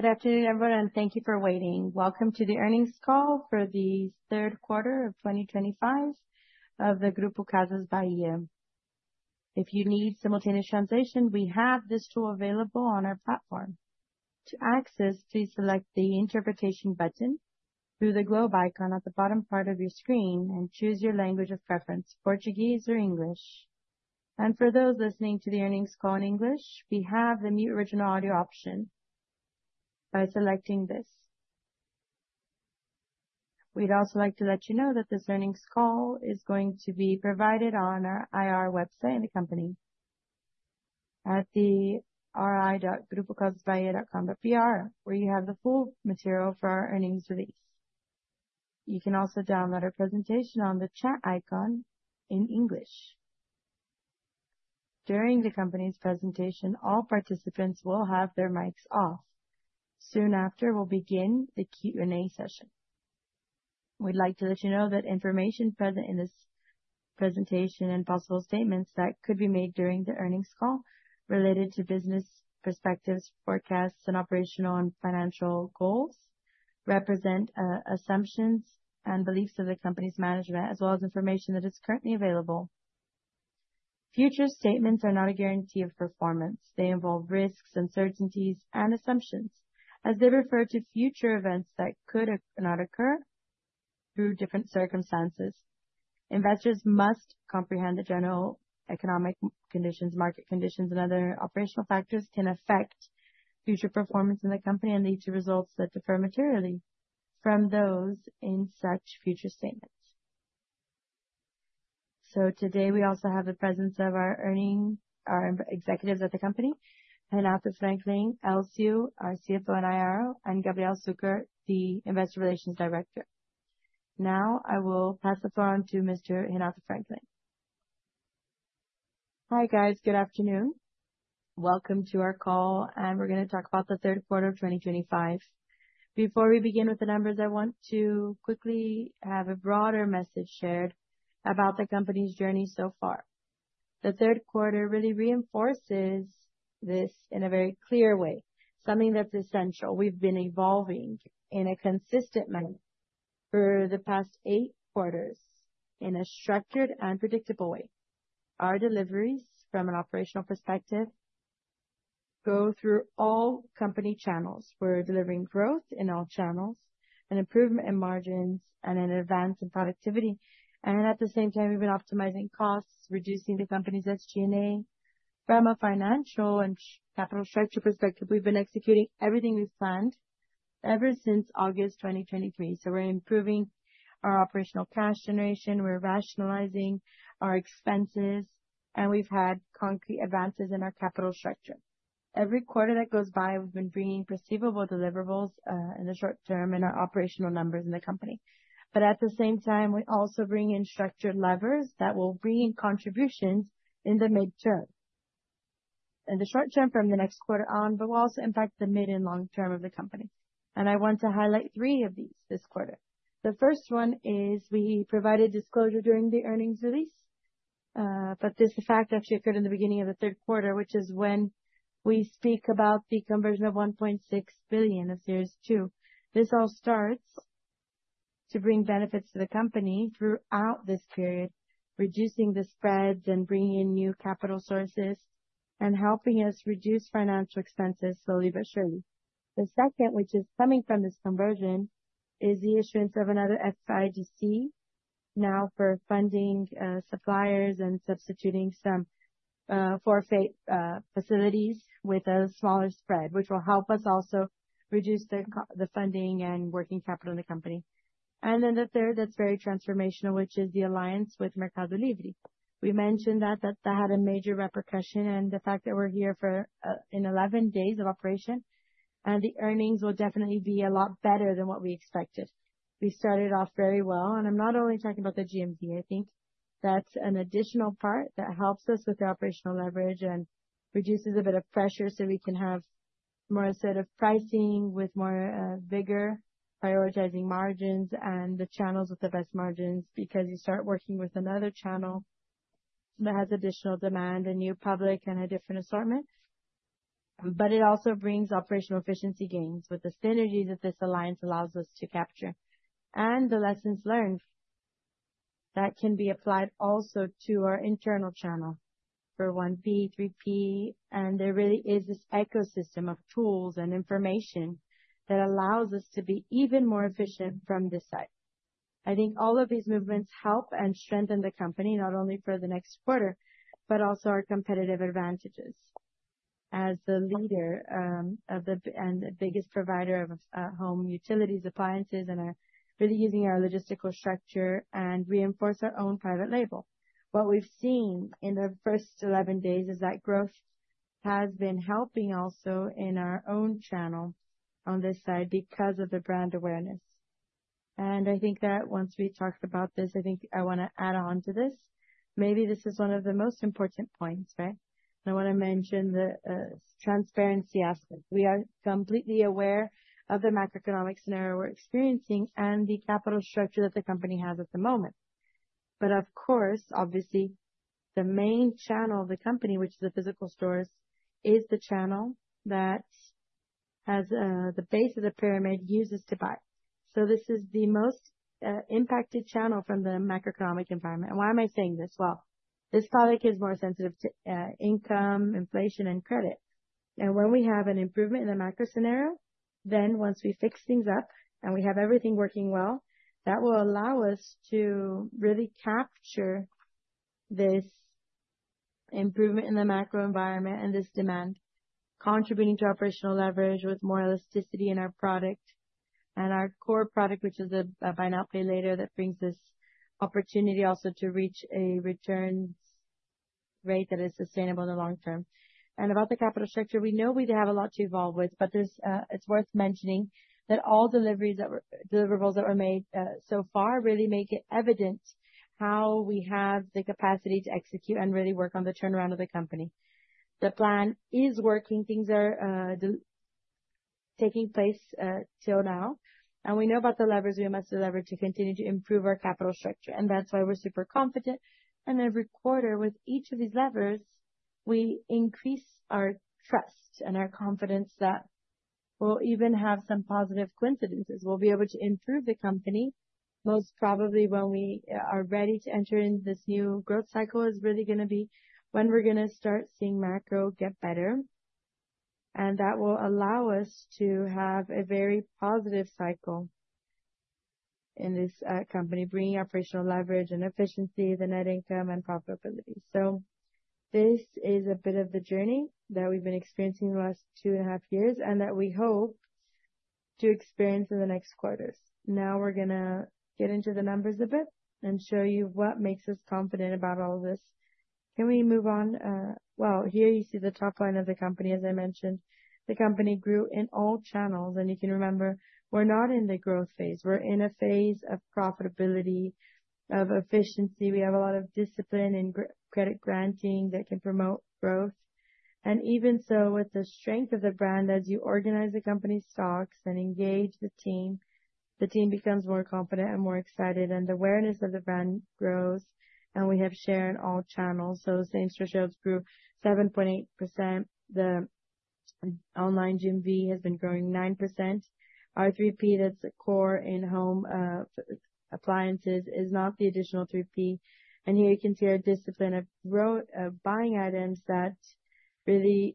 Good afternoon, everyone. Thank you for waiting. Welcome to the Earnings Call for the Third Quarter of 2025 of Grupo Casas Bahia. If you need simultaneous translation, we have this tool available on our platform. To access, please select the Interpretation button through the globe icon at the bottom part of your screen and choose your language of preference: Portuguese or English. For those listening to the earnings call in English, we have the Mute Original Audio option by selecting this. We would also like to let you know that this earnings call is going to be provided on our IR website and the company at ri.grupocasasbahia.com.br, where you have the full material for our earnings release. You can also download our presentation on the chat icon in English. During the company's presentation, all participants will have their mics off. Soon after, we will begin the Q&A session. We'd like to let you know that information present in this presentation and possible statements that could be made during the earnings call related to business perspectives, forecasts, and operational and financial goals represent assumptions and beliefs of the company's management, as well as information that is currently available. Future statements are not a guarantee of performance. They involve risks, uncertainties, and assumptions, as they refer to future events that could not occur through different circumstances. Investors must comprehend the general economic conditions, market conditions, and other operational factors that can affect future performance in the company and lead to results that differ materially from those in such future statements. Today, we also have the presence of our earning executives at the company, Renato Franklin, Elcio, our CFO and IRO, and Gabriel Succar, the Investor Relations Director. Now, I will pass the floor on to Mr. Renato Franklin. Hi guys, good afternoon. Welcome to our call, and we're going to talk about the Third Quarter of 2025. Before we begin with the numbers, I want to quickly have a broader message shared about the company's journey so far. The third quarter really reinforces this in a very clear way, something that's essential. We've been evolving in a consistent manner for the past eight quarters in a structured and predictable way. Our deliveries, from an operational perspective, go through all company channels. We're delivering growth in all channels, an improvement in margins, and an advance in productivity. At the same time, we've been optimizing costs, reducing the company's SG&A. From a financial and capital structure perspective, we've been executing everything we've planned ever since August 2023. We're improving our operational cash generation, we're rationalizing our expenses, and we've had concrete advances in our capital structure. Every quarter that goes by, we've been bringing perceivable deliverables in the short term and our operational numbers in the company. At the same time, we also bring in structured levers that will bring in contributions in the midterm, in the short term from the next quarter on, but will also impact the mid and long term of the company. I want to highlight three of these this quarter. The first one is we provided disclosure during the earnings release, but this fact actually occurred in the beginning of the third quarter, which is when we speak about the conversion of 1.6 billion of Series 2. This all starts to bring benefits to the company throughout this period, reducing the spreads and bringing in new capital sources and helping us reduce financial expenses slowly but surely. The second, which is coming from this conversion, is the issuance of another FIDC now for funding suppliers and substituting some forfeit facilities with a smaller spread, which will help us also reduce the funding and working capital in the company. The third that's very transformational, which is the alliance with Mercado Livre. We mentioned that that had a major repercussion and the fact that we're here for 11 days of operation, and the earnings will definitely be a lot better than what we expected. We started off very well, and I'm not only talking about the GMV. I think that's an additional part that helps us with the operational leverage and reduces a bit of pressure, so we can have more assertive pricing with more vigor, prioritizing margins and the channels with the best margins, because you start working with another channel that has additional demand, a new public, and a different assortment. It also brings operational efficiency gains with the synergies that this alliance allows us to capture and the lessons learned that can be applied also to our internal channel for 1P, 3P, and there really is this ecosystem of tools and information that allows us to be even more efficient from this side. I think all of these movements help and strengthen the company not only for the next quarter, but also our competitive advantages as the leader and the biggest provider of home utilities, appliances, and are really using our logistical structure and reinforce our own private label. What we've seen in the first 11 days is that growth has been helping also in our own channel on this side because of the brand awareness. I think that once we talked about this, I want to add on to this. Maybe this is one of the most important points, right? I want to mention the transparency aspect. We are completely aware of the macroeconomic scenario we're experiencing and the capital structure that the company has at the moment. Of course, obviously, the main channel of the company, which is the physical stores, is the channel that the base of the pyramid uses to buy. This is the most impacted channel from the macroeconomic environment. Why am I saying this? This product is more sensitive to income, inflation, and credit. When we have an improvement in the macro scenario, once we fix things up and we have everything working well, that will allow us to really capture this improvement in the macro environment and this demand, contributing to operational leverage with more elasticity in our product and our core product, which is a Buy Now Pay Later that brings this opportunity also to reach a return rate that is sustainable in the long term. About the capital structure, we know we have a lot to evolve with, but it is worth mentioning that all deliverables that were made so far really make it evident how we have the capacity to execute and really work on the turnaround of the company. The plan is working. Things are taking place till now. We know about the levers we must deliver to continue to improve our capital structure. That is why we are super confident. Every quarter, with each of these levers, we increase our trust and our confidence that we will even have some positive coincidences. We will be able to improve the company. Most probably, when we are ready to enter into this new growth cycle, it is really going to be when we are going to start seeing macro get better. That will allow us to have a very positive cycle in this company, bringing operational leverage and efficiency, the net income and profitability. This is a bit of the journey that we've been experiencing the last two and a half years and that we hope to experience in the next quarters. Now we're going to get into the numbers a bit and show you what makes us confident about all of this. Can we move on? Here you see the top line of the company. As I mentioned, the company grew in all channels. You can remember, we're not in the growth phase. We're in a phase of profitability, of efficiency. We have a lot of discipline and credit granting that can promote growth. Even so, with the strength of the brand, as you organize the company's stocks and engage the team, the team becomes more confident and more excited, and the awareness of the brand grows. We have share in all channels. Same structures grew 7.8%. The online GMV has been growing 9%. Our 3P, that's the core in home appliances, is not the additional 3P. Here you can see our discipline of buying items that really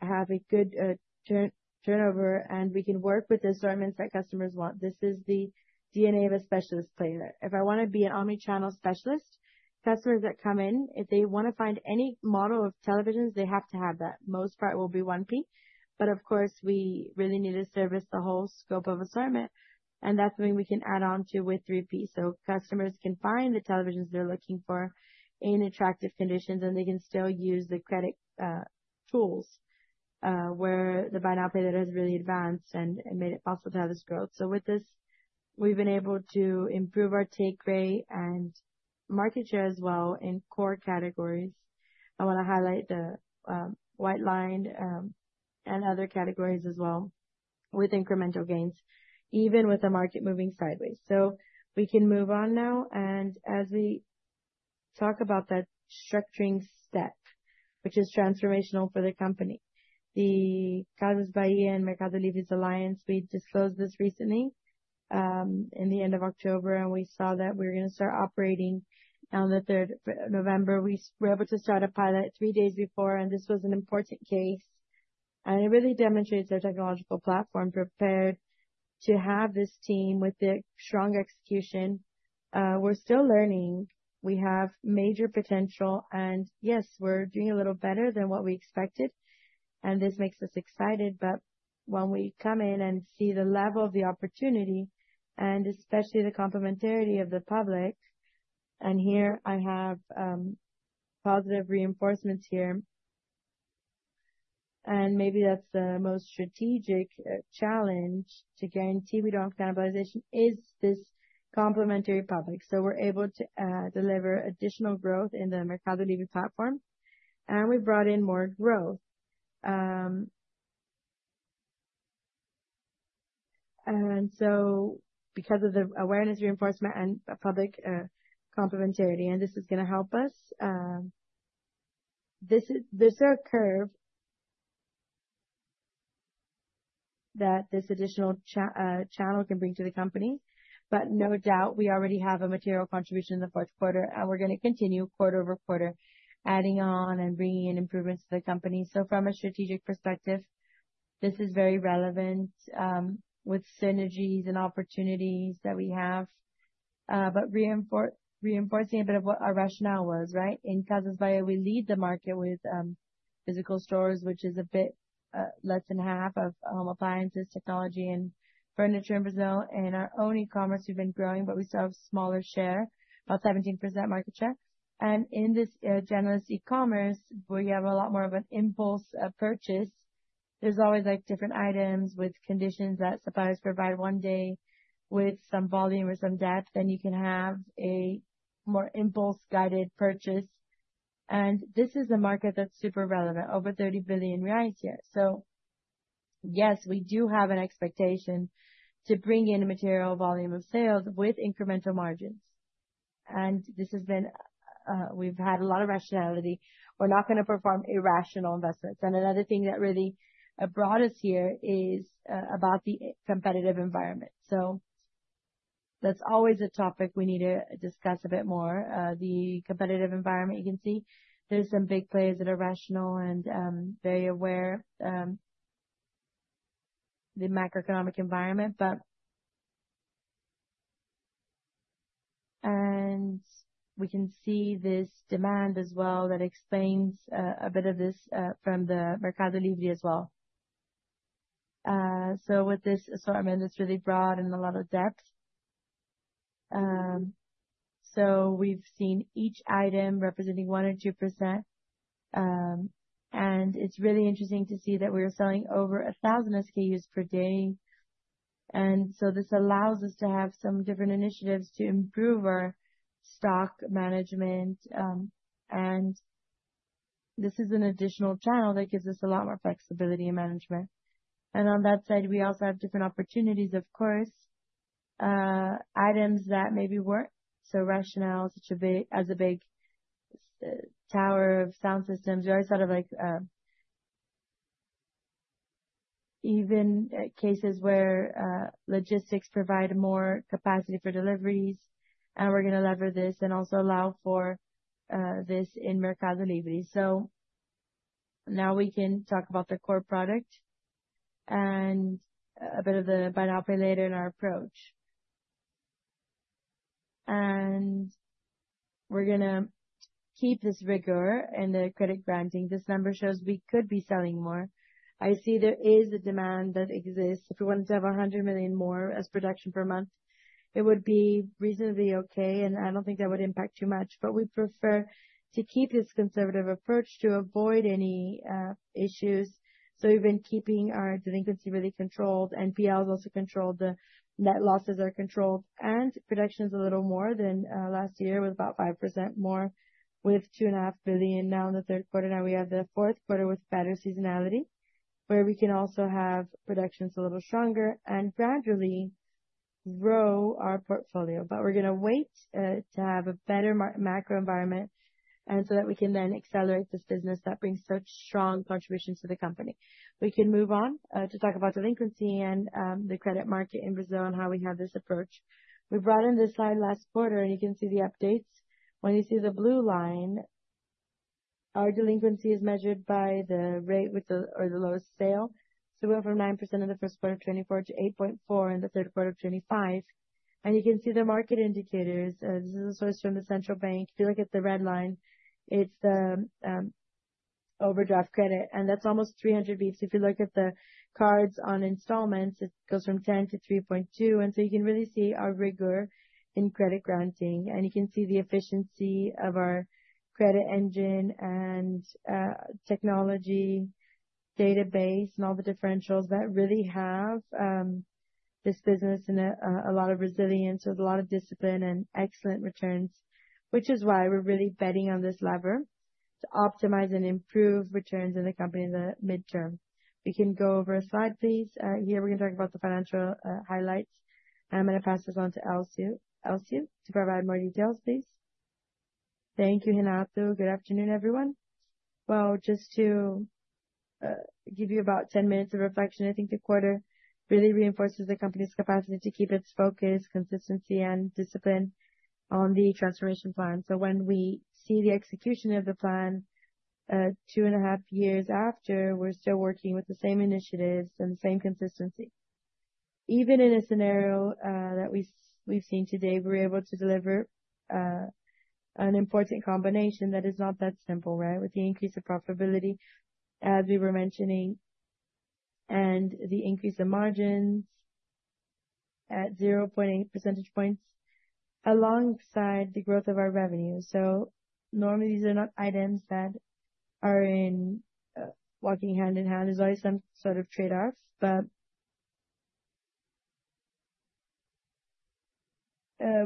have a good turnover, and we can work with the assortments that customers want. This is the DNA of a specialist player. If I want to be an omnichannel specialist, customers that come in, if they want to find any model of televisions, they have to have that. Most part will be 1P. Of course, we really need to service the whole scope of assortment. That is something we can add on to with 3P. Customers can find the televisions they are looking for in attractive conditions, and they can still use the credit tools where the buy now pay later has really advanced and made it possible to have this growth. With this, we have been able to improve our take rate and market share as well in core categories. I want to highlight the white line and other categories as well with incremental gains, even with the market moving sideways. We can move on now. As we talk about that structuring step, which is transformational for the company, the Casas Bahia and Mercado Livre alliance, we disclosed this recently at the end of October, and we saw that we were going to start operating on the 3rd of November. We were able to start a pilot three days before, and this was an important case. It really demonstrates our technological platform prepared to have this team with the strong execution. We're still learning. We have major potential. Yes, we're doing a little better than what we expected. This makes us excited. When we come in and see the level of the opportunity, and especially the complementarity of the public, I have positive reinforcements here, and maybe that's the most strategic challenge to guarantee we don't have cannibalization, is this complementary public. We're able to deliver additional growth in the Mercado Livre platform, and we brought in more growth. Because of the awareness reinforcement and public complementarity, this is going to help us. This is a curve that this additional channel can bring to the company. No doubt, we already have a material contribution in the fourth quarter, and we're going to continue quarter over quarter, adding on and bringing in improvements to the company. From a strategic perspective, this is very relevant with synergies and opportunities that we have, but reinforcing a bit of what our rationale was, right? In Casas Bahia, we lead the market with physical stores, which is a bit less than half of home appliances, technology, and furniture in Brazil. In our own e-commerce, we've been growing, but we still have a smaller share, about 17% market share. In this generous e-commerce, where you have a lot more of an impulse purchase, there's always different items with conditions that suppliers provide one day with some volume or some depth, then you can have a more impulse-guided purchase. This is a market that's super relevant, over 30 billion reais here. Yes, we do have an expectation to bring in a material volume of sales with incremental margins. This has been, we've had a lot of rationality. We're not going to perform irrational investments. Another thing that really brought us here is about the competitive environment. That's always a topic we need to discuss a bit more. The competitive environment, you can see there are some big players that are rational and very aware of the macroeconomic environment. We can see this demand as well that explains a bit of this from Mercado Livre as well. With this assortment, it's really broad and a lot of depth. We've seen each item representing 1% or 2%. It's really interesting to see that we are selling over 1,000 SKUs per day. This allows us to have some different initiatives to improve our stock management. This is an additional channel that gives us a lot more flexibility in management. On that side, we also have different opportunities, of course, items that maybe were not so rational, such as a big tower of sound systems. We always thought of even cases where logistics provide more capacity for deliveries. We are going to lever this and also allow for this in Mercado Livre. Now we can talk about the core product and a bit of the buy now, pay later in our approach. We are going to keep this rigor in the credit granting. This number shows we could be selling more. I see there is a demand that exists. If we wanted to have 100 million more as production per month, it would be reasonably okay. I do not think that would impact too much. We prefer to keep this conservative approach to avoid any issues. We have been keeping our delinquency really controlled. NPL is also controlled. The net losses are controlled. Production is a little more than last year with about 5% more, with 2.5 billion now in the third quarter. Now we have the fourth quarter with better seasonality, where we can also have productions a little stronger and gradually grow our portfolio. We are going to wait to have a better macro environment so that we can then accelerate this business that brings such strong contributions to the company. We can move on to talk about delinquency and the credit market in Brazil and how we have this approach. We brought in this slide last quarter, and you can see the updates. When you see the blue line, our delinquency is measured by the rate with the or the lowest sale. We went from 9% in the first quarter of 2024 to 8.4% in the Third Quarter of 2025. You can see the market indicators. This is a source from the central bank. If you look at the red line, it is the overdraft credit. That is almost 300 basis points. If you look at the cards on installments, it goes from 10% to 3.2%. You can really see our rigor in credit granting. You can see the efficiency of our credit engine and technology database and all the differentials that really have this business and a lot of resilience with a lot of discipline and excellent returns, which is why we are really betting on this lever to optimize and improve returns in the company in the midterm. We can go over a slide, please. Here, we're going to talk about the financial highlights. I'm going to pass this on to Elcio to provide more details, please. Thank you, Renato. Good afternoon, everyone. Just to give you about 10 minutes of reflection, I think the quarter really reinforces the company's capacity to keep its focus, consistency, and discipline on the transformation plan. When we see the execution of the plan two and a half years after, we're still working with the same initiatives and the same consistency. Even in a scenario that we've seen today, we were able to deliver an important combination that is not that simple, right, with the increase of profitability, as we were mentioning, and the increase of margins at 0.8 percentage points alongside the growth of our revenue. Normally, these are not items that are walking hand in hand. There's always some sort of trade-off.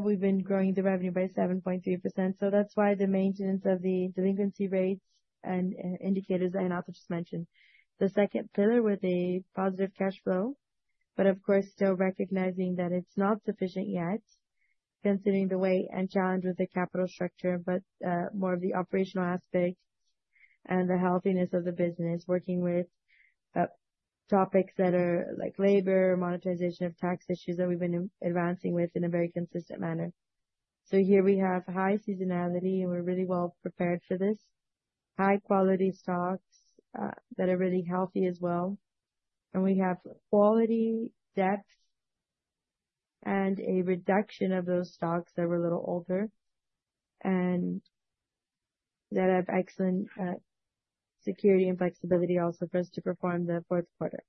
We've been growing the revenue by 7.3%. That's why the maintenance of the delinquency rates and indicators that Renato just mentioned, the second pillar with a positive cash flow, but of course, still recognizing that it's not sufficient yet, considering the weight and challenge with the capital structure, but more of the operational aspect and the healthiness of the business, working with topics that are like labor, monetization of tax issues that we've been advancing with in a very consistent manner. Here we have high seasonality, and we're really well prepared for this, high-quality stocks that are really healthy as well. We have quality, depth, and a reduction of those stocks that were a little older and that have excellent security and flexibility also for us to perform the fourth quarter.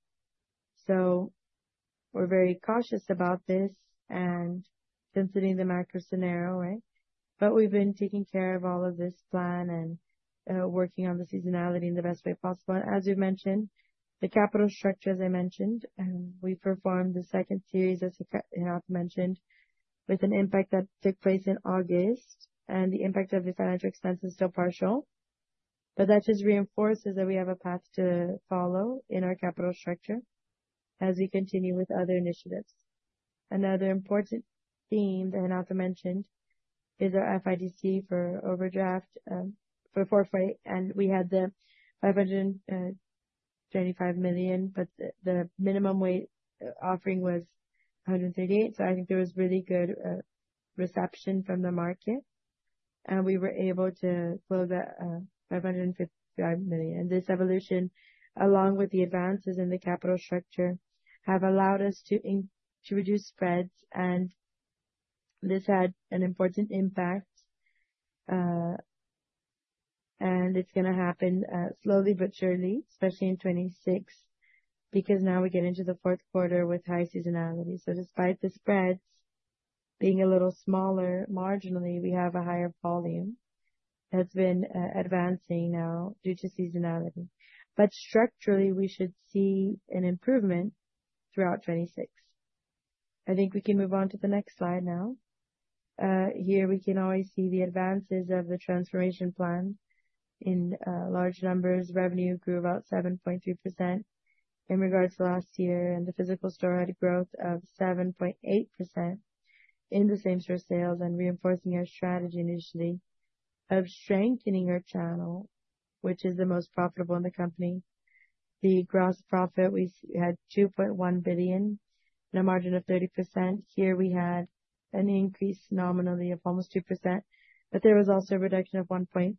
We're very cautious about this and considering the macro scenario, right? We've been taking care of all of this plan and working on the seasonality in the best way possible. As we've mentioned, the capital structure, as I mentioned, we performed the second series, as Renato mentioned, with an impact that took place in August. The impact of the financial expense is still partial. That just reinforces that we have a path to follow in our capital structure as we continue with other initiatives. Another important theme that Renato mentioned is our FIDC for overdraft for 4. We had the 525 million, but the minimum weight offering was 138 million. I think there was really good reception from the market. We were able to close at 555 million. This evolution, along with the advances in the capital structure, have allowed us to reduce spreads. This had an important impact. It is going to happen slowly but surely, especially in 2026, because now we get into the fourth quarter with high seasonality. Despite the spreads being a little smaller marginally, we have a higher volume that is advancing now due to seasonality. Structurally, we should see an improvement throughout 2026. I think we can move on to the next slide now. Here, we can always see the advances of the transformation plan in large numbers. Revenue grew about 7.3% in regards to last year. The physical store had a growth of 7.8% in the same store sales, reinforcing our strategy initially of strengthening our channel, which is the most profitable in the company. The gross profit, we had 2.1 billion and a margin of 30%. Here, we had an increase nominally of almost 2%. There was also a reduction of 1.6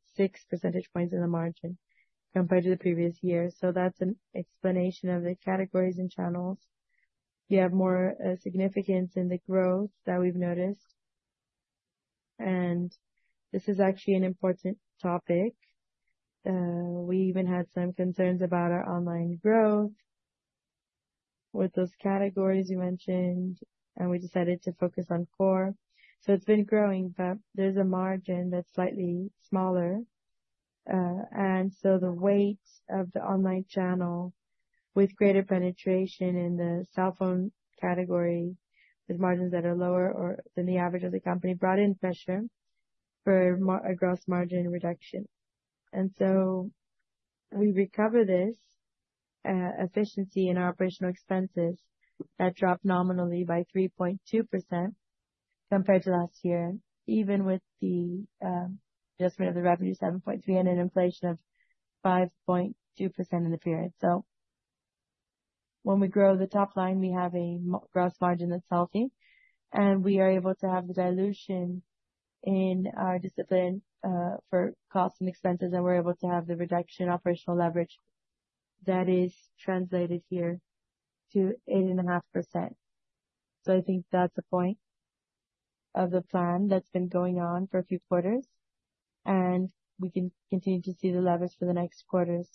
percentage points in the margin compared to the previous year. That is an explanation of the categories and channels. We have more significance in the growth that we have noticed. This is actually an important topic. We even had some concerns about our online growth with those categories you mentioned, and we decided to focus on core. It has been growing, but there is a margin that is slightly smaller. The weight of the online channel with greater penetration in the cell phone category with margins that are lower than the average of the company brought in pressure for a gross margin reduction. We recover this efficiency in our operational expenses that dropped nominally by 3.2% compared to last year, even with the adjustment of the revenue 7.3% and an inflation of 5.2% in the period. When we grow the top line, we have a gross margin that's healthy. We are able to have the dilution in our discipline for costs and expenses. We're able to have the reduction operational leverage that is translated here to 8.5%. I think that's a point of the plan that's been going on for a few quarters. We can continue to see the leverage for the next quarters.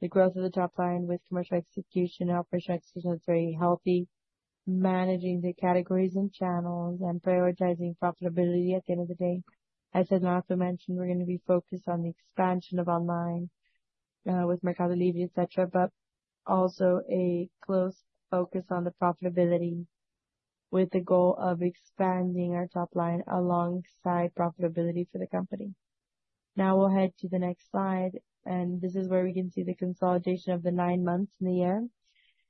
The growth of the top line with commercial execution and operational execution is very healthy, managing the categories and channels and prioritizing profitability at the end of the day. As Renato mentioned, we're going to be focused on the expansion of online with Mercado Livre, etc., but also a close focus on the profitability with the goal of expanding our top line alongside profitability for the company. Now we'll head to the next slide. This is where we can see the consolidation of the nine months in the year.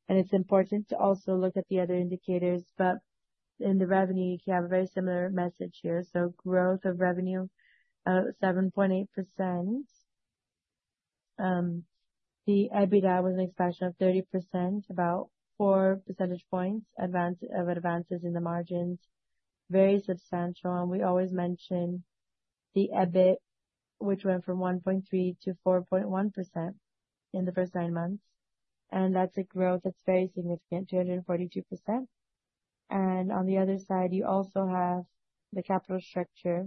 It is important to also look at the other indicators. In the revenue, you can have a very similar message here. Growth of revenue, 7.8%. The EBITDA was an expansion of 30%, about 4 percentage points of advances in the margins, very substantial. We always mention the EBIT, which went from 1.3% to 4.1% in the first nine months. That is a growth that is very significant, 242%. On the other side, you also have the capital structure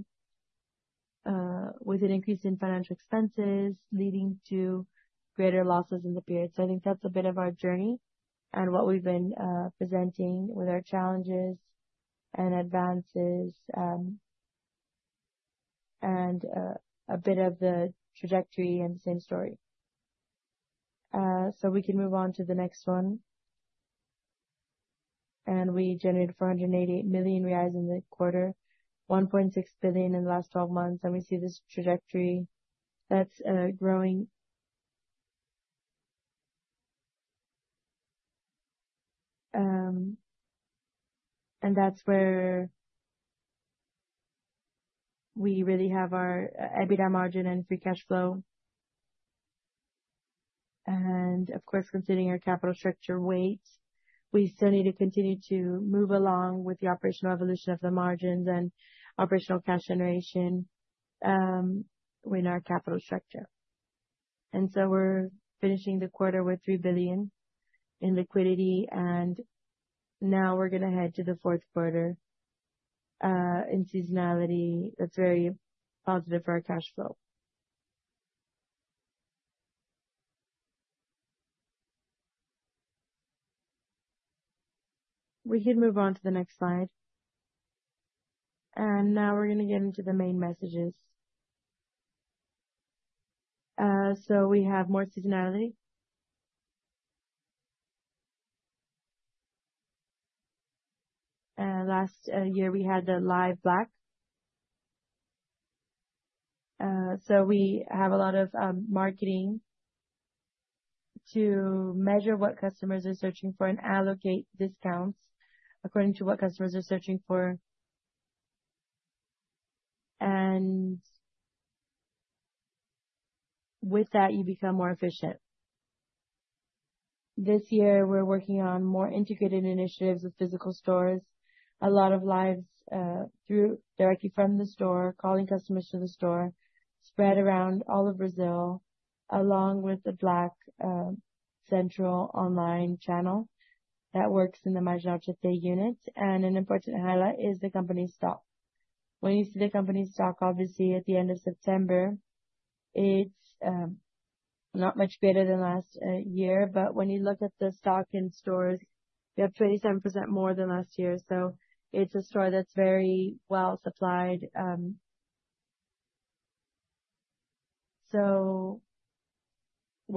with an increase in financial expenses leading to greater losses in the period. I think that is a bit of our journey and what we have been presenting with our challenges and advances and a bit of the trajectory and the same story. We can move on to the next one. We generated 488 million reais in the quarter, 1.6 billion in the last 12 months. We see this trajectory that's growing. That is where we really have our EBITDA margin and free cash flow. Of course, considering our capital structure weight, we still need to continue to move along with the operational evolution of the margins and operational cash generation in our capital structure. We are finishing the quarter with 3 billion in liquidity. We are going to head to the fourth quarter in seasonality. That is very positive for our cash flow. We can move on to the next slide. We are going to get into the main messages. We have more seasonality. Last year, we had the Live Black. We have a lot of marketing to measure what customers are searching for and allocate discounts according to what customers are searching for. With that, you become more efficient. This year, we're working on more integrated initiatives with physical stores, a lot of lives directly from the store, calling customers to the store, spread around all of Brazil, along with the Black Central online channel that works in the Marginal Tietê unit. An important highlight is the company's stock. When you see the company's stock, obviously, at the end of September, it is not much greater than last year. When you look at the stock in stores, we have 27% more than last year. It is a store that is very well supplied. We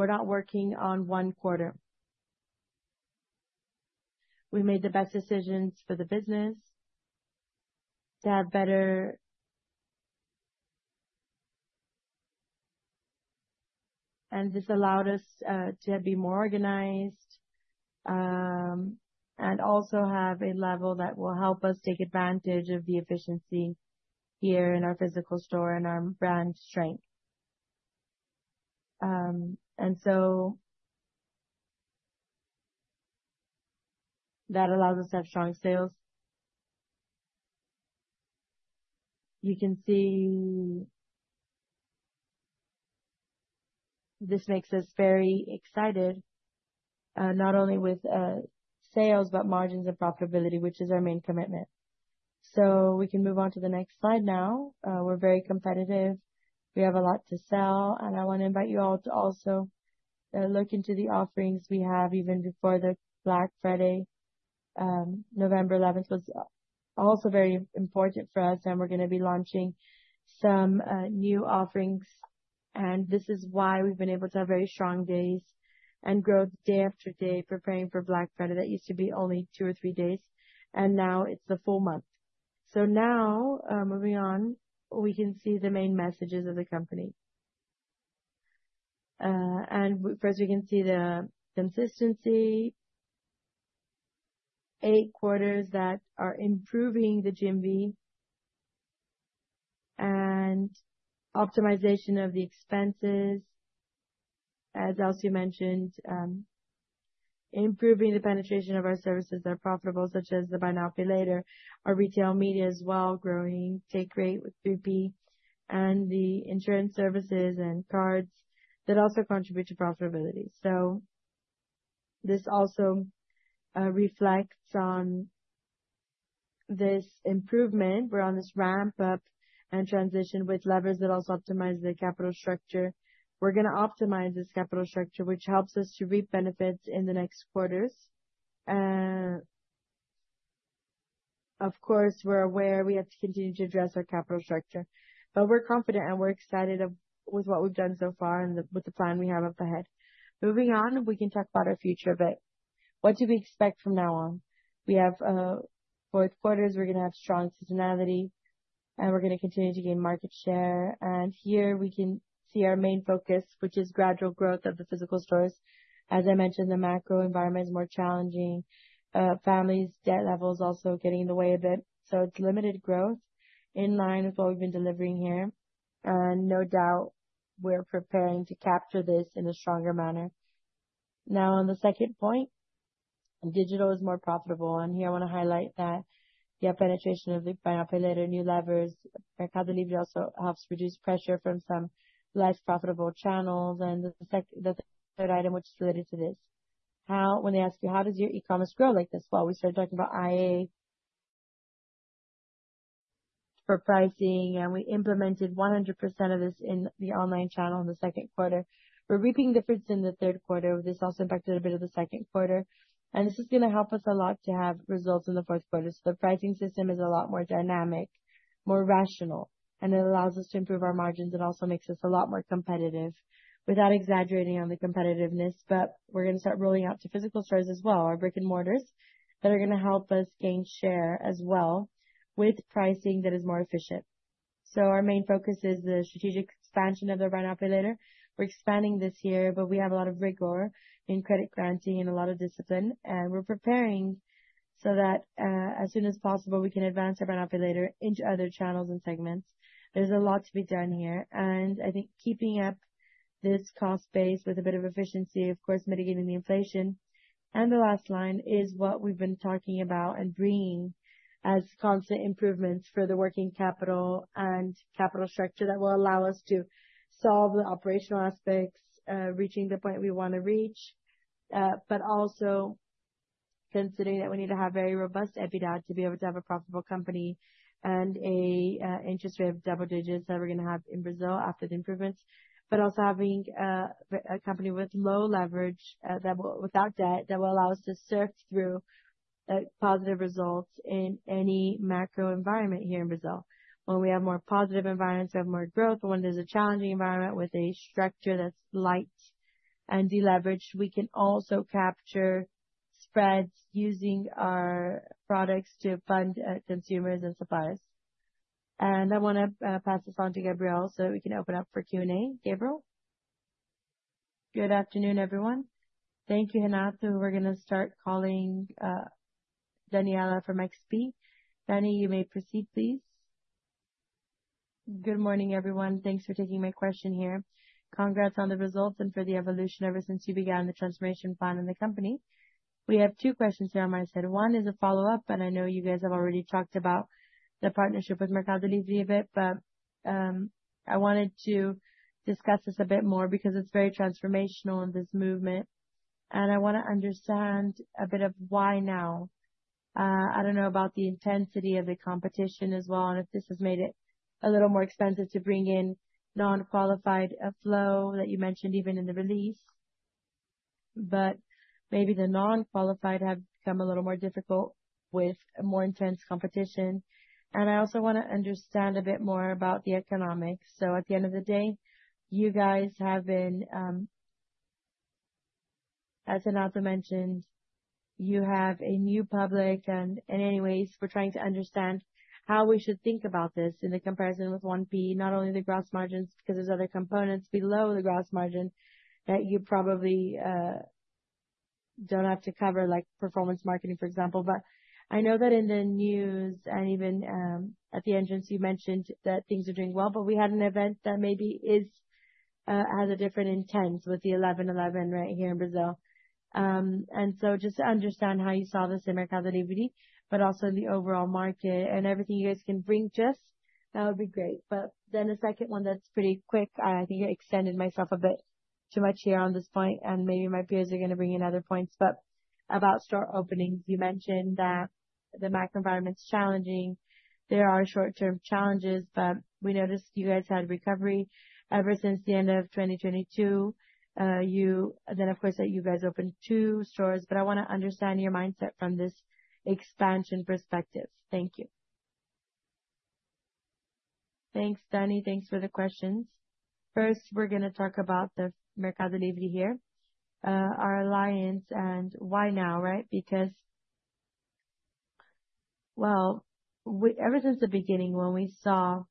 are not working on one quarter. We made the best decisions for the business to have better. This allowed us to be more organized and also have a level that will help us take advantage of the efficiency here in our physical store and our brand strength. That allows us to have strong sales. You can see this makes us very excited, not only with sales, but margins and profitability, which is our main commitment. We can move on to the next slide now. We are very competitive. We have a lot to sell. I want to invite you all to also look into the offerings we have even before Black Friday. November 11 was also very important for us. We are going to be launching some new offerings. This is why we have been able to have very strong days and growth day after day, preparing for Black Friday that used to be only two or three days. Now it's the full month. Moving on, we can see the main messages of the company. First, we can see the consistency, eight quarters that are improving the GMV and optimization of the expenses, as Elcio mentioned, improving the penetration of our services that are profitable, such as the Buy Now Pay Later, our retail media as well growing, take rate with 3P, and the insurance services and cards that also contribute to profitability. This also reflects on this improvement. We're on this ramp-up and transition with levers that also optimize the capital structure. We're going to optimize this capital structure, which helps us to reap benefits in the next quarters. Of course, we're aware we have to continue to address our capital structure. We're confident and we're excited with what we've done so far and with the plan we have up ahead. Moving on, we can talk about our future a bit. What do we expect from now on? We have fourth quarters. We're going to have strong seasonality. We're going to continue to gain market share. Here we can see our main focus, which is gradual growth of the physical stores. As I mentioned, the macro environment is more challenging. Families' debt levels are also getting in the way a bit. It is limited growth in line with what we've been delivering here. No doubt, we're preparing to capture this in a stronger manner. Now, on the second point, digital is more profitable. Here, I want to highlight that we have penetration of the Buy Now Pay Later, new levers. Mercado Livre also helps reduce pressure from some less profitable channels. The third item, which is related to this, when they ask you, how does your e-commerce grow like this? We started talking about AI for pricing. We implemented 100% of this in the online channel in the second quarter. We are reaping difference in the third quarter. This also impacted a bit of the second quarter. This is going to help us a lot to have results in the fourth quarter. The pricing system is a lot more dynamic, more rational. It allows us to improve our margins and also makes us a lot more competitive without exaggerating on the competitiveness. We are going to start rolling out to physical stores as well, our brick and mortars that are going to help us gain share as well with pricing that is more efficient. Our main focus is the strategic expansion of the buy now, pay later. We are expanding this year, but we have a lot of rigor in credit granting and a lot of discipline. We are preparing so that as soon as possible, we can advance our buy now, pay later into other channels and segments. There is a lot to be done here. I think keeping up this cost base with a bit of efficiency, of course, mitigating the inflation. The last line is what we've been talking about and bringing as constant improvements for the working capital and capital structure that will allow us to solve the operational aspects, reaching the point we want to reach, but also considering that we need to have very robust EBITDA to be able to have a profitable company and an interest rate of double digits that we're going to have in Brazil after the improvements, but also having a company with low leverage without debt that will allow us to surf through positive results in any macro environment here in Brazil. When we have more positive environments, we have more growth. When there's a challenging environment with a structure that's light and deleveraged, we can also capture spreads using our products to fund consumers and suppliers. I want to pass this on to Gabriel so that we can open up for Q&A. Gabriel, good afternoon, everyone. Thank you, Renato. We're going to start calling Daniela from XP. Danny, you may proceed, please. Good morning, everyone. Thanks for taking my question here. Congrats on the results and for the evolution ever since you began the transformation plan in the company. We have two questions here on my side. One is a follow-up, and I know you guys have already talked about the partnership with Mercado Livre a bit, but I wanted to discuss this a bit more because it's very transformational in this movement. I want to understand a bit of why now. I don't know about the intensity of the competition as well and if this has made it a little more expensive to bring in non-qualified flow that you mentioned even in the release, but maybe the non-qualified have become a little more difficult with more intense competition. I also want to understand a bit more about the economics. At the end of the day, you guys have been, as Renato mentioned, you have a new public. In any ways, we're trying to understand how we should think about this in the comparison with 1P, not only the gross margins because there's other components below the gross margin that you probably don't have to cover, like performance marketing, for example. I know that in the news and even at the entrance, you mentioned that things are doing well, but we had an event that maybe has a different intent with the 11/11 right here in Brazil. Just to understand how you saw this in Mercado Livre, but also in the overall market and everything you guys can bring, that would be great. A second one that's pretty quick, I think I extended myself a bit too much here on this point, and maybe my peers are going to bring in other points. About store openings, you mentioned that the macro environment's challenging. There are short-term challenges, but we noticed you guys had recovery ever since the end of 2022. Of course, you guys opened two stores. I want to understand your mindset from this expansion perspective. Thank you. Thanks, Danny. Thanks for the questions. First, we're going to talk about the Mercado Livre here, our alliance, and why now, right? Because, ever since the beginning, when we saw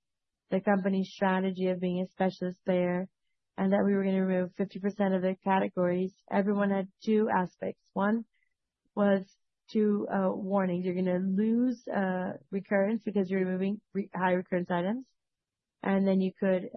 the company's strategy of being a specialist player and that we were going to remove 50% of their categories, everyone had two aspects. One was two warnings. You're going to lose recurrence because you're removing high recurrence items. And you could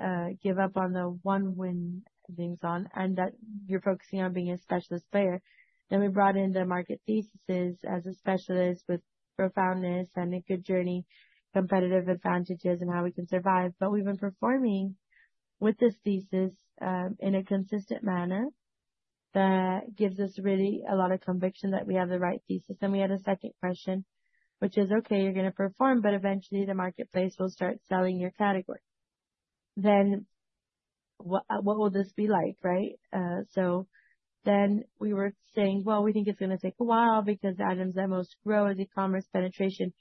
give up on the one win things on and that you're focusing on being a specialist player. Then we brought in the market theses as a specialist with profoundness and a good journey, competitive advantages, and how we can survive. But we've been performing with this thesis in a consistent manner that gives us really a lot of conviction that we have the right thesis. We had a second question, which is, okay, you're going to perform, but eventually the marketplace will start selling your category. What will this be like, right? We were saying, we think it's going to take a while because items that most grow as e-commerce penetration,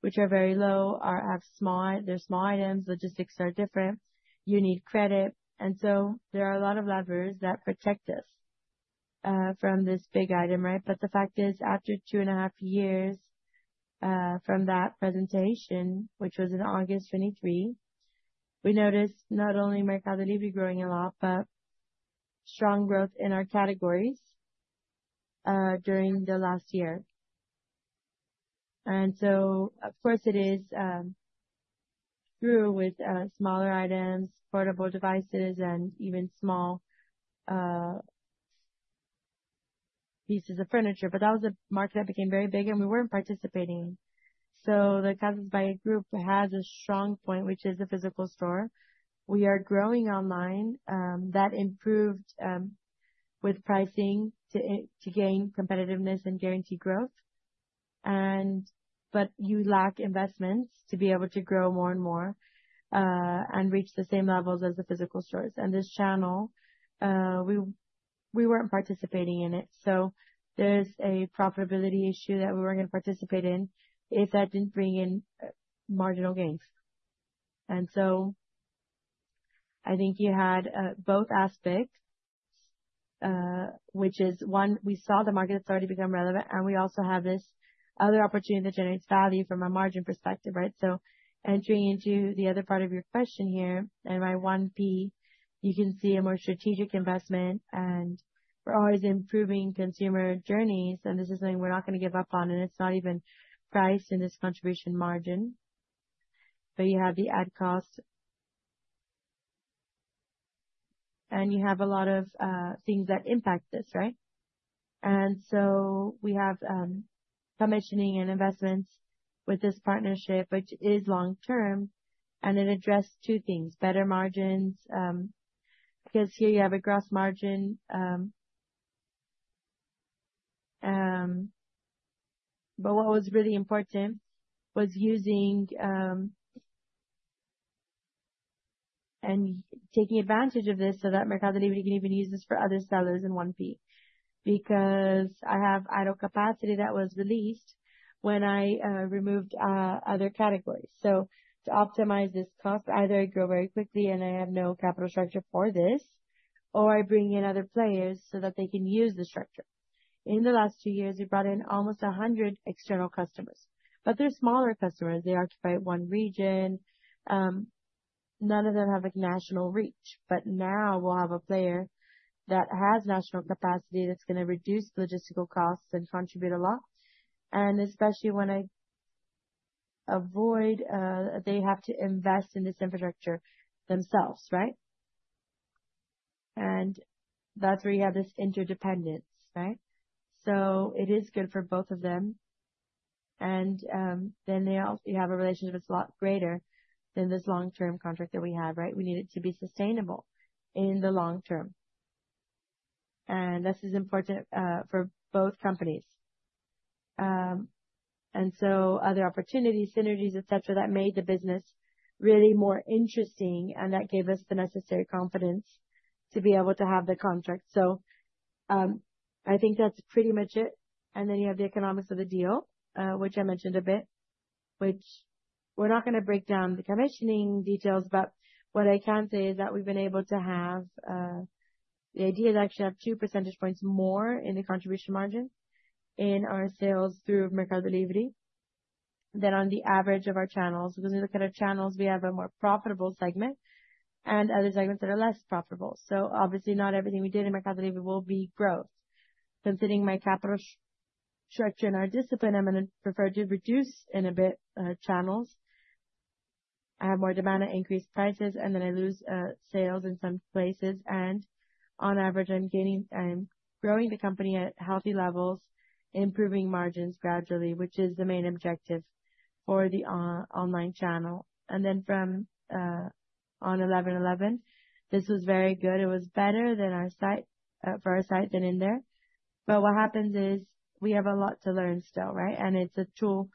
which are very low, are small. They're small items. Logistics are different. You need credit. There are a lot of levers that protect us from this big item, right? The fact is, after two and a half years from that presentation, which was in August 2023, we noticed not only Mercado Livre growing a lot, but strong growth in our categories during the last year. Of course, it grew with smaller items, portable devices, and even small pieces of furniture. That was a market that became very big, and we weren't participating. The Casas Bahia group has a strong point, which is the physical store. We are growing online. That improved with pricing to gain competitiveness and guarantee growth. You lack investments to be able to grow more and more and reach the same levels as the physical stores. This channel, we were not participating in it. There is a profitability issue that we were not going to participate in if that did not bring in marginal gains. I think you had both aspects, which is one, we saw the market that has already become relevant, and we also have this other opportunity that generates value from a margin perspective, right? Entering into the other part of your question here, and by 1P, you can see a more strategic investment, and we are always improving consumer journeys. This is something we are not going to give up on. It is not even priced in this contribution margin. You have the add cost, and you have a lot of things that impact this, right? You have commissioning and investments with this partnership, which is long-term, and it addressed two things: better margins, because here you have a gross margin. What was really important was using and taking advantage of this so that Mercado Livre can even use this for other sellers in 1P because I have idle capacity that was released when I removed other categories. To optimize this cost, either I grow very quickly and I have no capital structure for this, or I bring in other players so that they can use the structure. In the last two years, we brought in almost 100 external customers. They are smaller customers. They occupy one region. None of them have national reach. Now we'll have a player that has national capacity that's going to reduce logistical costs and contribute a lot. Especially when I avoid, they have to invest in this infrastructure themselves, right? That is where you have this interdependence, right? It is good for both of them. You have a relationship that's a lot greater than this long-term contract that we have, right? We need it to be sustainable in the long term. This is important for both companies. Other opportunities, synergies, etc., made the business really more interesting, and that gave us the necessary confidence to be able to have the contract. I think that's pretty much it. You have the economics of the deal, which I mentioned a bit, which we're not going to break down the commissioning details. What I can say is that we've been able to have the idea is actually have two percentage points more in the contribution margin in our sales through Mercado Livre than on the average of our channels. Because when you look at our channels, we have a more profitable segment and other segments that are less profitable. Obviously, not everything we did in Mercado Livre will be growth. Considering my capital structure and our discipline, I'm going to prefer to reduce in a bit channels. I have more demand at increased prices, and then I lose sales in some places. On average, I'm growing the company at healthy levels, improving margins gradually, which is the main objective for the online channel. From on 11/11, this was very good. It was better for our site than in there. What happens is we have a lot to learn still, right? It is a tool.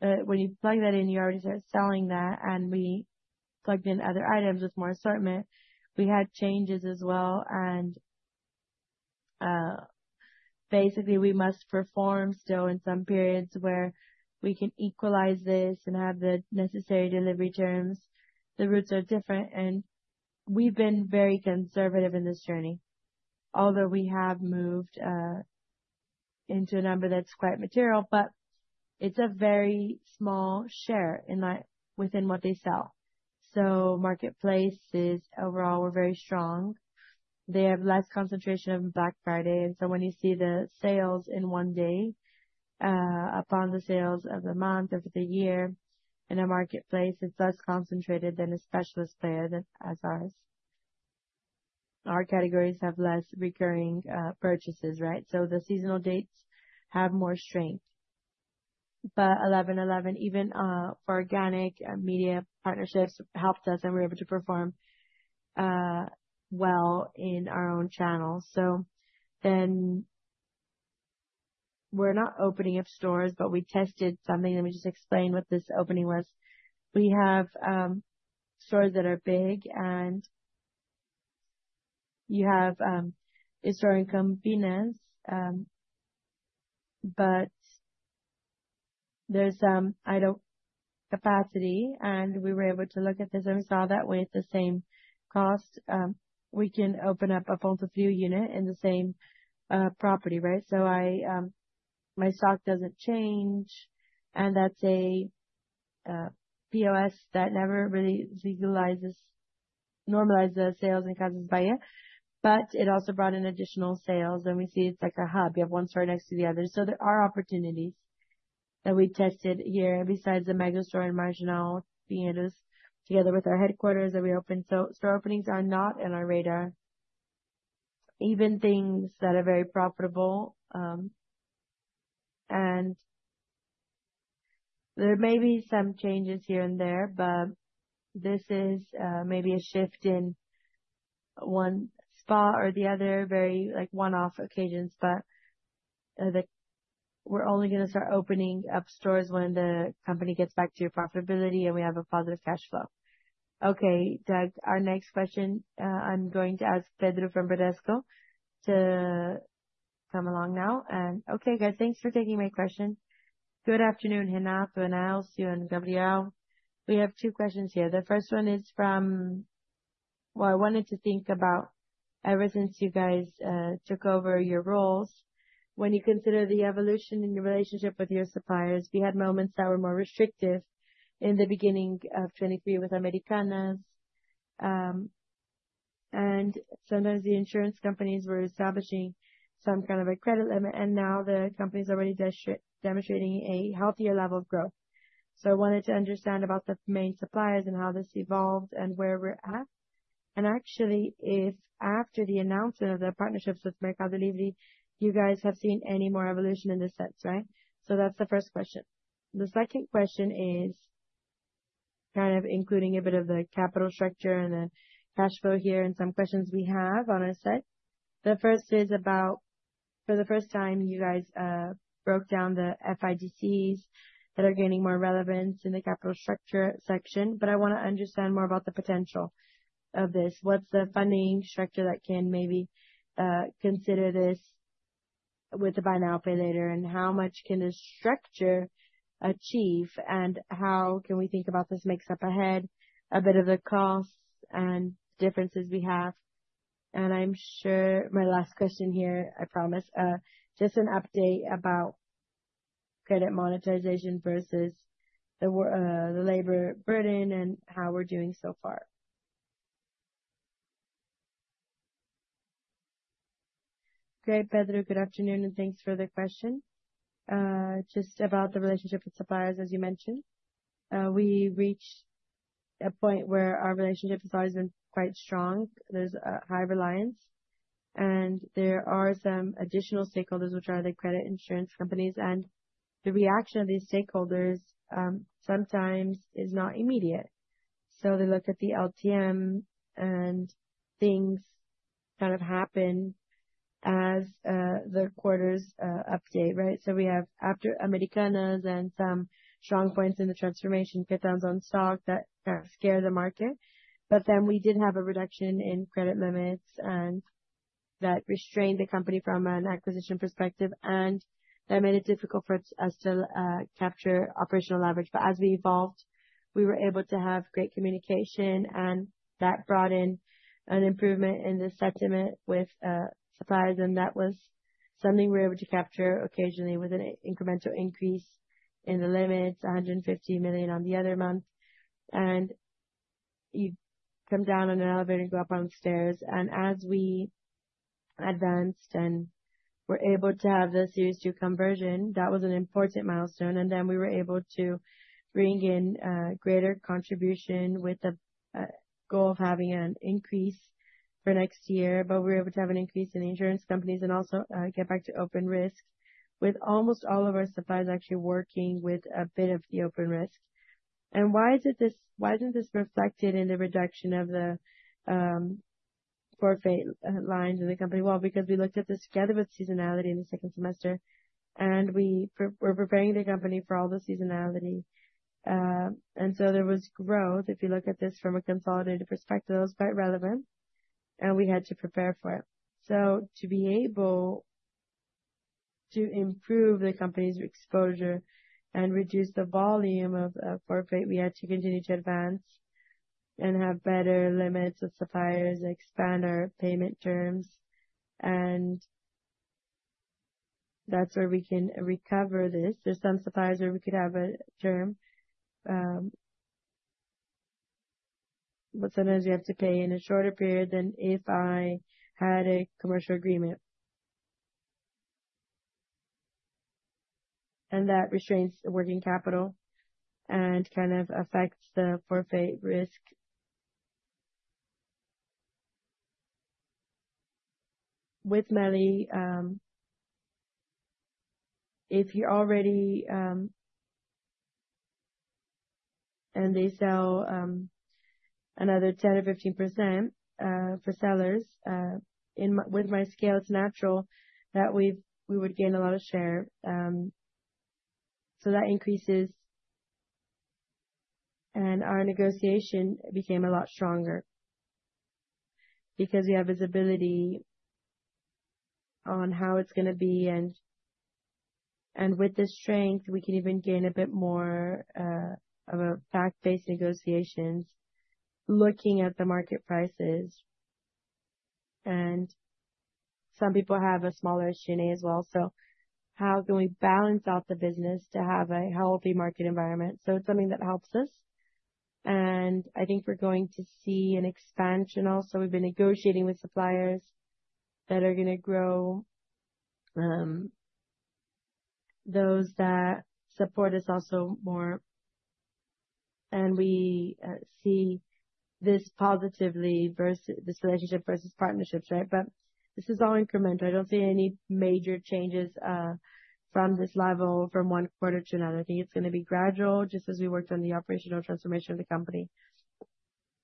When you plug that in, you are already selling that. We plugged in other items with more assortment. We had changes as well. Basically, we must perform still in some periods where we can equalize this and have the necessary delivery terms. The routes are different. We have been very conservative in this journey, although we have moved into a number that is quite material. It is a very small share within what they sell. Marketplaces, overall, we are very strong. They have less concentration of Black Friday. When you see the sales in one day upon the sales of the month of the year in a marketplace, it is less concentrated than a specialist player than as ours. Our categories have less recurring purchases, right? The seasonal dates have more strength. 11/11, even for organic media partnerships, helped us, and we are able to perform well in our own channels. We are not opening up stores, but we tested something. Let me just explain what this opening was. We have stores that are big, and you have store inconvenience, but there is idle capacity. We were able to look at this and we saw that with the same cost, we can open up a full-to-few unit in the same property, right? My stock does not change. That is a POS that never really normalized the sales in Casas Bahia. It also brought in additional sales. We see it is like a hub. You have one store next to the other. There are opportunities that we tested here. Besides the megastore in Marginal, being together with our headquarters that we opened, store openings are not in our radar. Even things that are very profitable. There may be some changes here and there, but this is maybe a shift in one spot or the other, very one-off occasions. We're only going to start opening up stores when the company gets back to your profitability and we have a positive cash flow. Okay, Doug, our next question. I'm going to ask Pedro from Bradesco to come along now. Okay, guys, thanks for taking my question. Good afternoon, Renato, and Elcio and Gabriel. We have two questions here. The first one is from, I wanted to think about ever since you guys took over your roles, when you consider the evolution in your relationship with your suppliers, we had moments that were more restrictive in the beginning of 2023 with Americanas. Sometimes the insurance companies were establishing some kind of a credit limit, and now the company is already demonstrating a healthier level of growth. I wanted to understand about the main suppliers and how this evolved and where we're at. Actually, if after the announcement of the partnerships with Mercado Livre, you guys have seen any more evolution in the sets, right? That is the first question. The second question is kind of including a bit of the capital structure and the cash flow here and some questions we have on our set. The first is about for the first time, you guys broke down the FIDCs that are gaining more relevance in the capital structure section. I want to understand more about the potential of this. What's the funding structure that can maybe consider this with the buy now, pay later, and how much can this structure achieve, and how can we think about this mix-up ahead, a bit of the costs and differences we have? I'm sure my last question here, I promise, just an update about credit monetization versus the labor burden and how we're doing so far. Okay, Pedro, good afternoon, and thanks for the question. Just about the relationship with suppliers, as you mentioned, we reached a point where our relationship has always been quite strong. There's a high reliance, and there are some additional stakeholders, which are the credit insurance companies. The reaction of these stakeholders sometimes is not immediate. They look at the LTM, and things kind of happen as the quarters update, right? We have after Americanas and some strong points in the transformation, pythons on stock that kind of scare the market. We did have a reduction in credit limits that restrained the company from an acquisition perspective, and that made it difficult for us to capture operational leverage. As we evolved, we were able to have great communication, and that brought in an improvement in the sentiment with suppliers. That was something we were able to capture occasionally with an incremental increase in the limits, 150 million on the other month. You come down on an elevator and go up on stairs. As we advanced and were able to have the Series 2 conversion, that was an important milestone. Then we were able to bring in greater contribution with the goal of having an increase for next year. We were able to have an increase in the insurance companies and also get back to open risk with almost all of our suppliers actually working with a bit of the open risk. Why isn't this reflected in the reduction of the forfeit lines in the company? This is because we looked at this together with seasonality in the second semester, and we were preparing the company for all the seasonality. There was growth. If you look at this from a consolidated perspective, it was quite relevant, and we had to prepare for it. To be able to improve the company's exposure and reduce the volume of forfeit, we had to continue to advance and have better limits of suppliers, expand our payment terms. That is where we can recover this. There are some suppliers where we could have a term, but sometimes we have to pay in a shorter period than if I had a commercial agreement. That restrains working capital and kind of affects the forfeit risk. With Meli, if you are already, and they sell another 10% or 15% for sellers with my scale, it is natural that we would gain a lot of share. That increases, and our negotiation became a lot stronger because we have visibility on how it is going to be. With this strength, we can even gain a bit more of a fact-based negotiation looking at the market prices. Some people have a smaller shine as well. How can we balance out the business to have a healthy market environment? It is something that helps us. I think we are going to see an expansion also. We have been negotiating with suppliers that are going to grow, those that support us also more. We see this positively, this relationship versus partnerships, right? This is all incremental. I do not see any major changes from this level from one quarter to another. I think it is going to be gradual, just as we worked on the operational transformation of the company.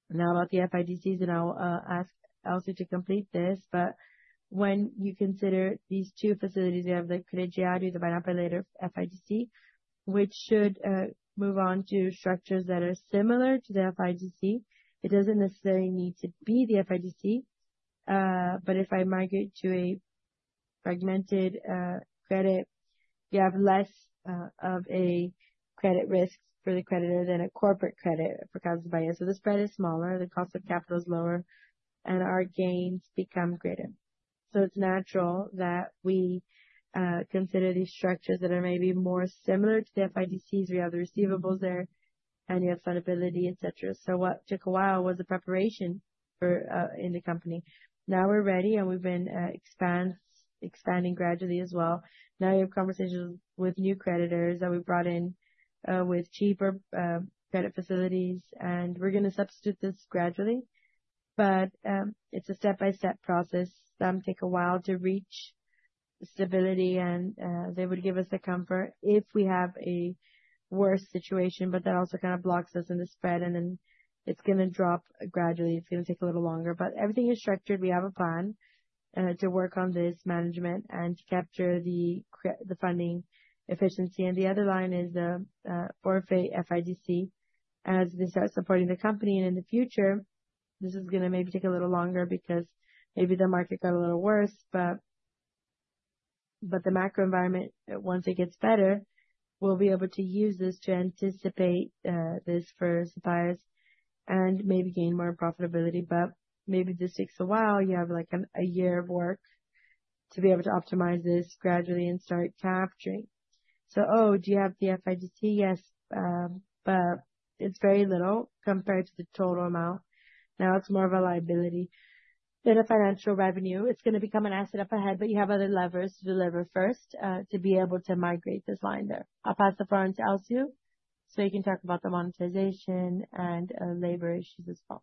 Now about the FIDCs, I will ask Elcio to complete this. When you consider these two facilities, you have the Crediário, the Buy Now Pay Later FIDC, which should move on to structures that are similar to the FIDC. It does not necessarily need to be the FIDC. If I migrate to a fragmented credit, you have less of a credit risk for the creditor than a corporate credit for Casas Bahia. The spread is smaller, the cost of capital is lower, and our gains become greater. It is natural that we consider these structures that are maybe more similar to the FIDCs. We have the receivables there, and you have fundability, etc. What took a while was the preparation in the company. Now we are ready, and we have been expanding gradually as well. Now you have conversations with new creditors that we brought in with cheaper credit facilities, and we are going to substitute this gradually. It is a step-by-step process. Some take a while to reach stability, and they would give us the comfort if we have a worse situation. That also kind of blocks us in the spread, and then it's going to drop gradually. It's going to take a little longer. Everything is structured. We have a plan to work on this management and to capture the funding efficiency. The other line is the forfeit FIDC as this starts supporting the company. In the future, this is going to maybe take a little longer because maybe the market got a little worse. The macro environment, once it gets better, we'll be able to use this to anticipate this for suppliers and maybe gain more profitability. Maybe this takes a while. You have like a year of work to be able to optimize this gradually and start capturing. Oh, do you have the FIDC? Yes. But it's very little compared to the total amount. Now it's more of a liability than a financial revenue. It's going to become an asset up ahead, but you have other levers to deliver first to be able to migrate this line there. I'll pass the floor on to Elcio so you can talk about the monetization and labor issues as well.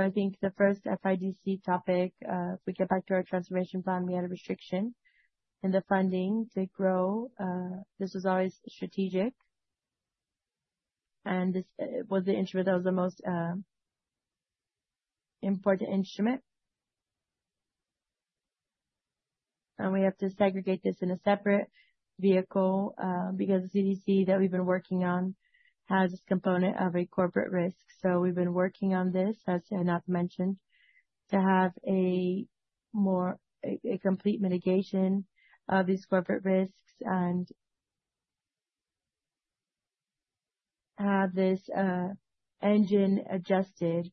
I think the first FIDC topic, if we get back to our transformation plan, we had a restriction in the funding to grow. This was always strategic, and this was the instrument that was the most important instrument. We have to segregate this in a separate vehicle because the FIDC that we've been working on has this component of a corporate risk. We've been working on this, as Renato mentioned, to have a complete mitigation of these corporate risks and have this engine adjusted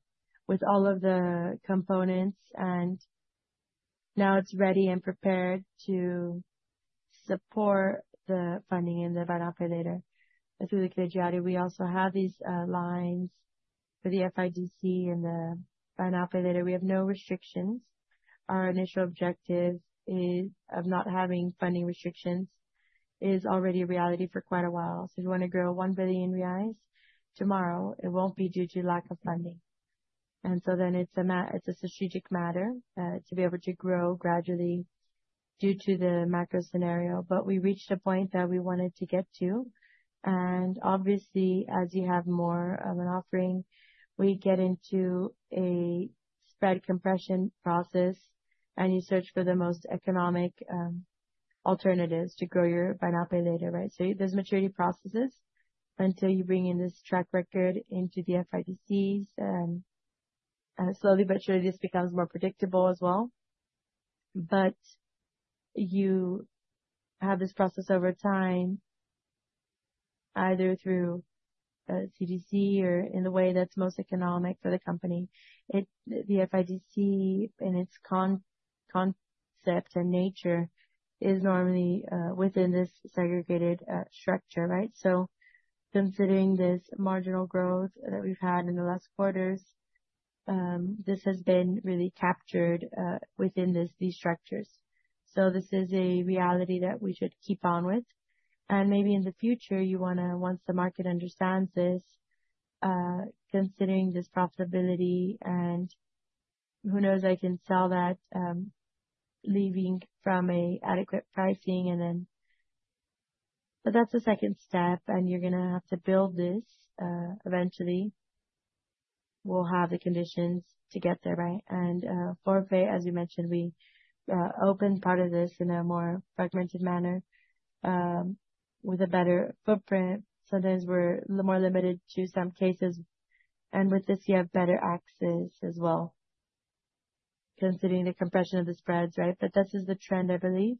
with all of the components. Now it's ready and prepared to support the funding in the Buy Now Pay Later through the Crediário. We also have these lines for the FIDC and the Buy Now Pay Later. We have no restrictions. Our initial objective of not having funding restrictions is already a reality for quite a while. If you want to grow 1 billion reais tomorrow, it won't be due to lack of funding. It is a strategic matter to be able to grow gradually due to the macro scenario. We reached a point that we wanted to get to. Obviously, as you have more of an offering, we get into a spread compression process, and you search for the most economic alternatives to grow your Buy Now Pay Later, right? There are maturity processes until you bring in this track record into the FIDCs. Slowly, but surely, this becomes more predictable as well. You have this process over time, either through FIDC or in the way that's most economic for the company. The FIDC, in its concept and nature, is normally within this segregated structure, right? Considering this marginal growth that we've had in the last quarters, this has been really captured within these structures. This is a reality that we should keep on with. Maybe in the future, you want to, once the market understands this, considering this profitability, and who knows, I can sell that leaving from an adequate pricing. That's a second step, and you're going to have to build this eventually. We'll have the conditions to get there, right? Forfeit, as you mentioned, we opened part of this in a more fragmented manner with a better footprint. Sometimes we're more limited to some cases. With this, you have better access as well, considering the compression of the spreads, right? This is the trend, I believe.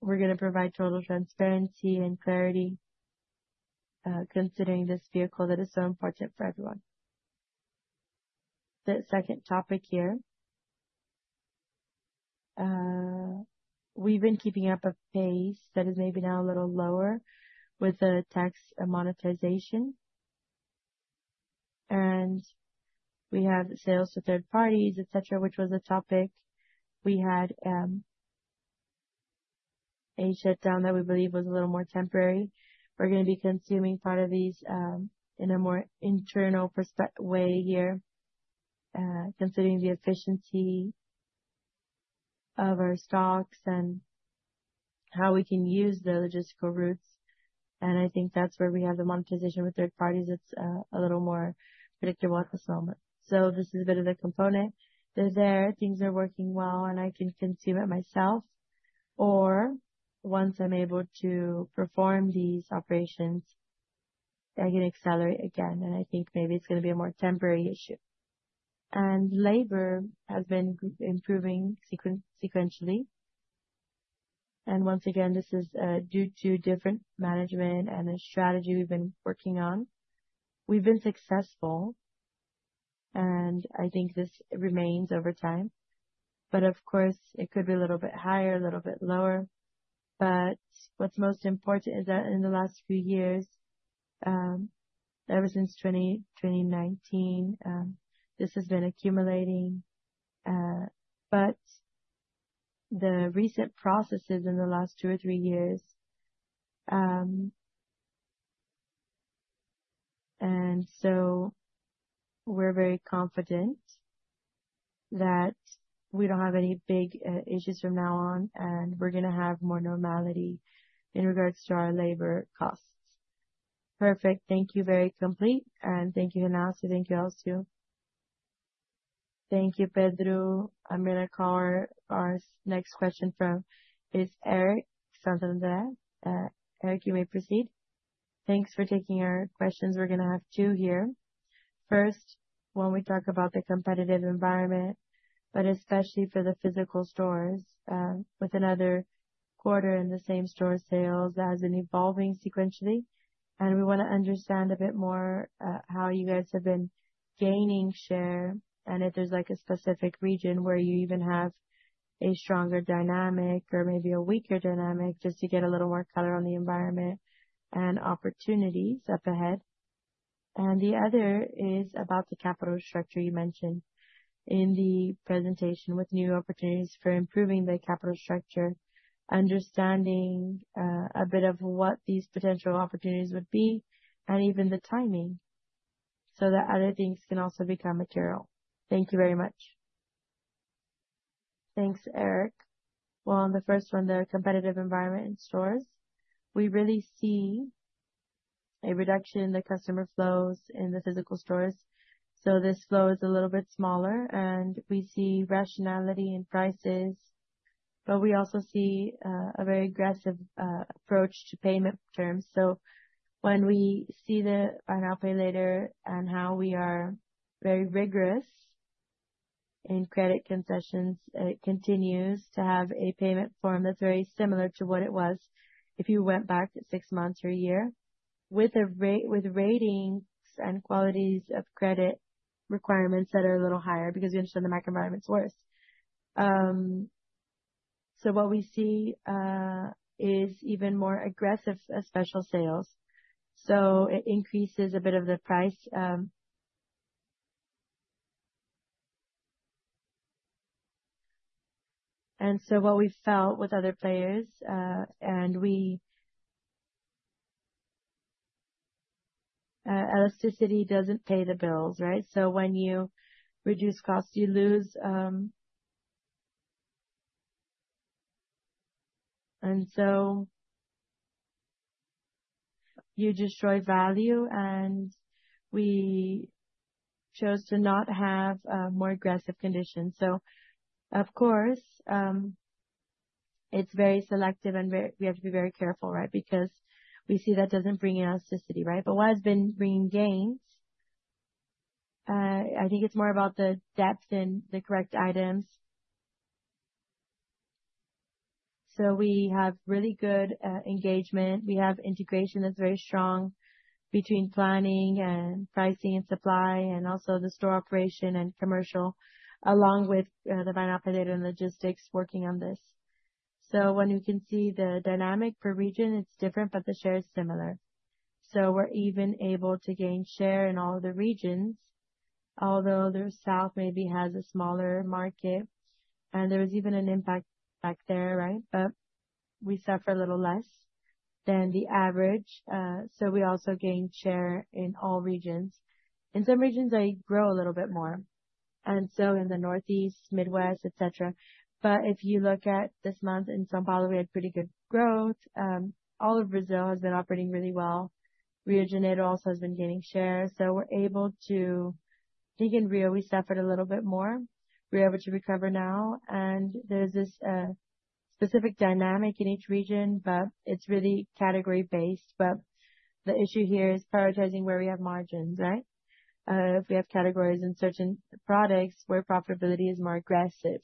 We're going to provide total transparency and clarity considering this vehicle that is so important for everyone. The second topic here, we've been keeping up a pace that is maybe now a little lower with the tax monetization. We have sales to third parties, etc., which was a topic. We had a shutdown that we believe was a little more temporary. We're going to be consuming part of these in a more internal way here, considering the efficiency of our stocks and how we can use the logistical routes. I think that's where we have the monetization with third parties. It's a little more predictable at this moment. This is a bit of the component. They're there. Things are working well, and I can consume it myself. Once I'm able to perform these operations, I can accelerate again. I think maybe it's going to be a more temporary issue. Labor has been improving sequentially. Once again, this is due to different management and the strategy we've been working on. We've been successful, and I think this remains over time. Of course, it could be a little bit higher, a little bit lower. What's most important is that in the last few years, ever since 2019, this has been accumulating. The recent processes in the last two or three years. We're very confident that we don't have any big issues from now on, and we're going to have more normality in regards to our labor costs. Perfect. Thank you, very complete. Thank you, Renato. Thank you, Elcio. Thank you, Pedro. I'm going to call our next question from Eric. Eric, you may proceed. Thanks for taking our questions. We're going to have two here. First, when we talk about the competitive environment, but especially for the physical stores with another quarter in the same store sales, that has been evolving sequentially. We want to understand a bit more how you guys have been gaining share and if there's like a specific region where you even have a stronger dynamic or maybe a weaker dynamic just to get a little more color on the environment and opportunities up ahead. The other is about the capital structure you mentioned in the presentation with new opportunities for improving the capital structure, understanding a bit of what these potential opportunities would be, and even the timing so that other things can also become material. Thank you very much. Thanks, Eric. On the first one, the competitive environment in stores, we really see a reduction in the customer flows in the physical stores. This flow is a little bit smaller, and we see rationality in prices, but we also see a very aggressive approach to payment terms. When we see the Buy Now Pay Later and how we are very rigorous in credit concessions, it continues to have a payment form that is very similar to what it was if you went back six months or a year with ratings and qualities of credit requirements that are a little higher because we understand the macro environment is worse. What we see is even more aggressive special sales. It increases a bit of the price. What we felt with other players, and elasticity does not pay the bills, right? When you reduce costs, you lose. You destroy value, and we chose to not have more aggressive conditions. Of course, it's very selective, and we have to be very careful, right? We see that doesn't bring elasticity, right? Why has it been bringing gains? I think it's more about the depth and the correct items. We have really good engagement. We have integration that's very strong between planning and pricing and supply and also the store operation and commercial, along with the Buy Now Pay Later and logistics working on this. When we can see the dynamic per region, it's different, but the share is similar. We're even able to gain share in all the regions, although the south maybe has a smaller market, and there is even an impact back there, right? We suffer a little less than the average. We also gain share in all regions. In some regions, they grow a little bit more. In the northeast, midwest, etc. If you look at this month in São Paulo, we had pretty good growth. All of Brazil has been operating really well. Rio de Janeiro also has been gaining share. I think in Rio, we suffered a little bit more. We are able to recover now. There is this specific dynamic in each region, but it is really category-based. The issue here is prioritizing where we have margins, right? If we have categories in certain products where profitability is more aggressive,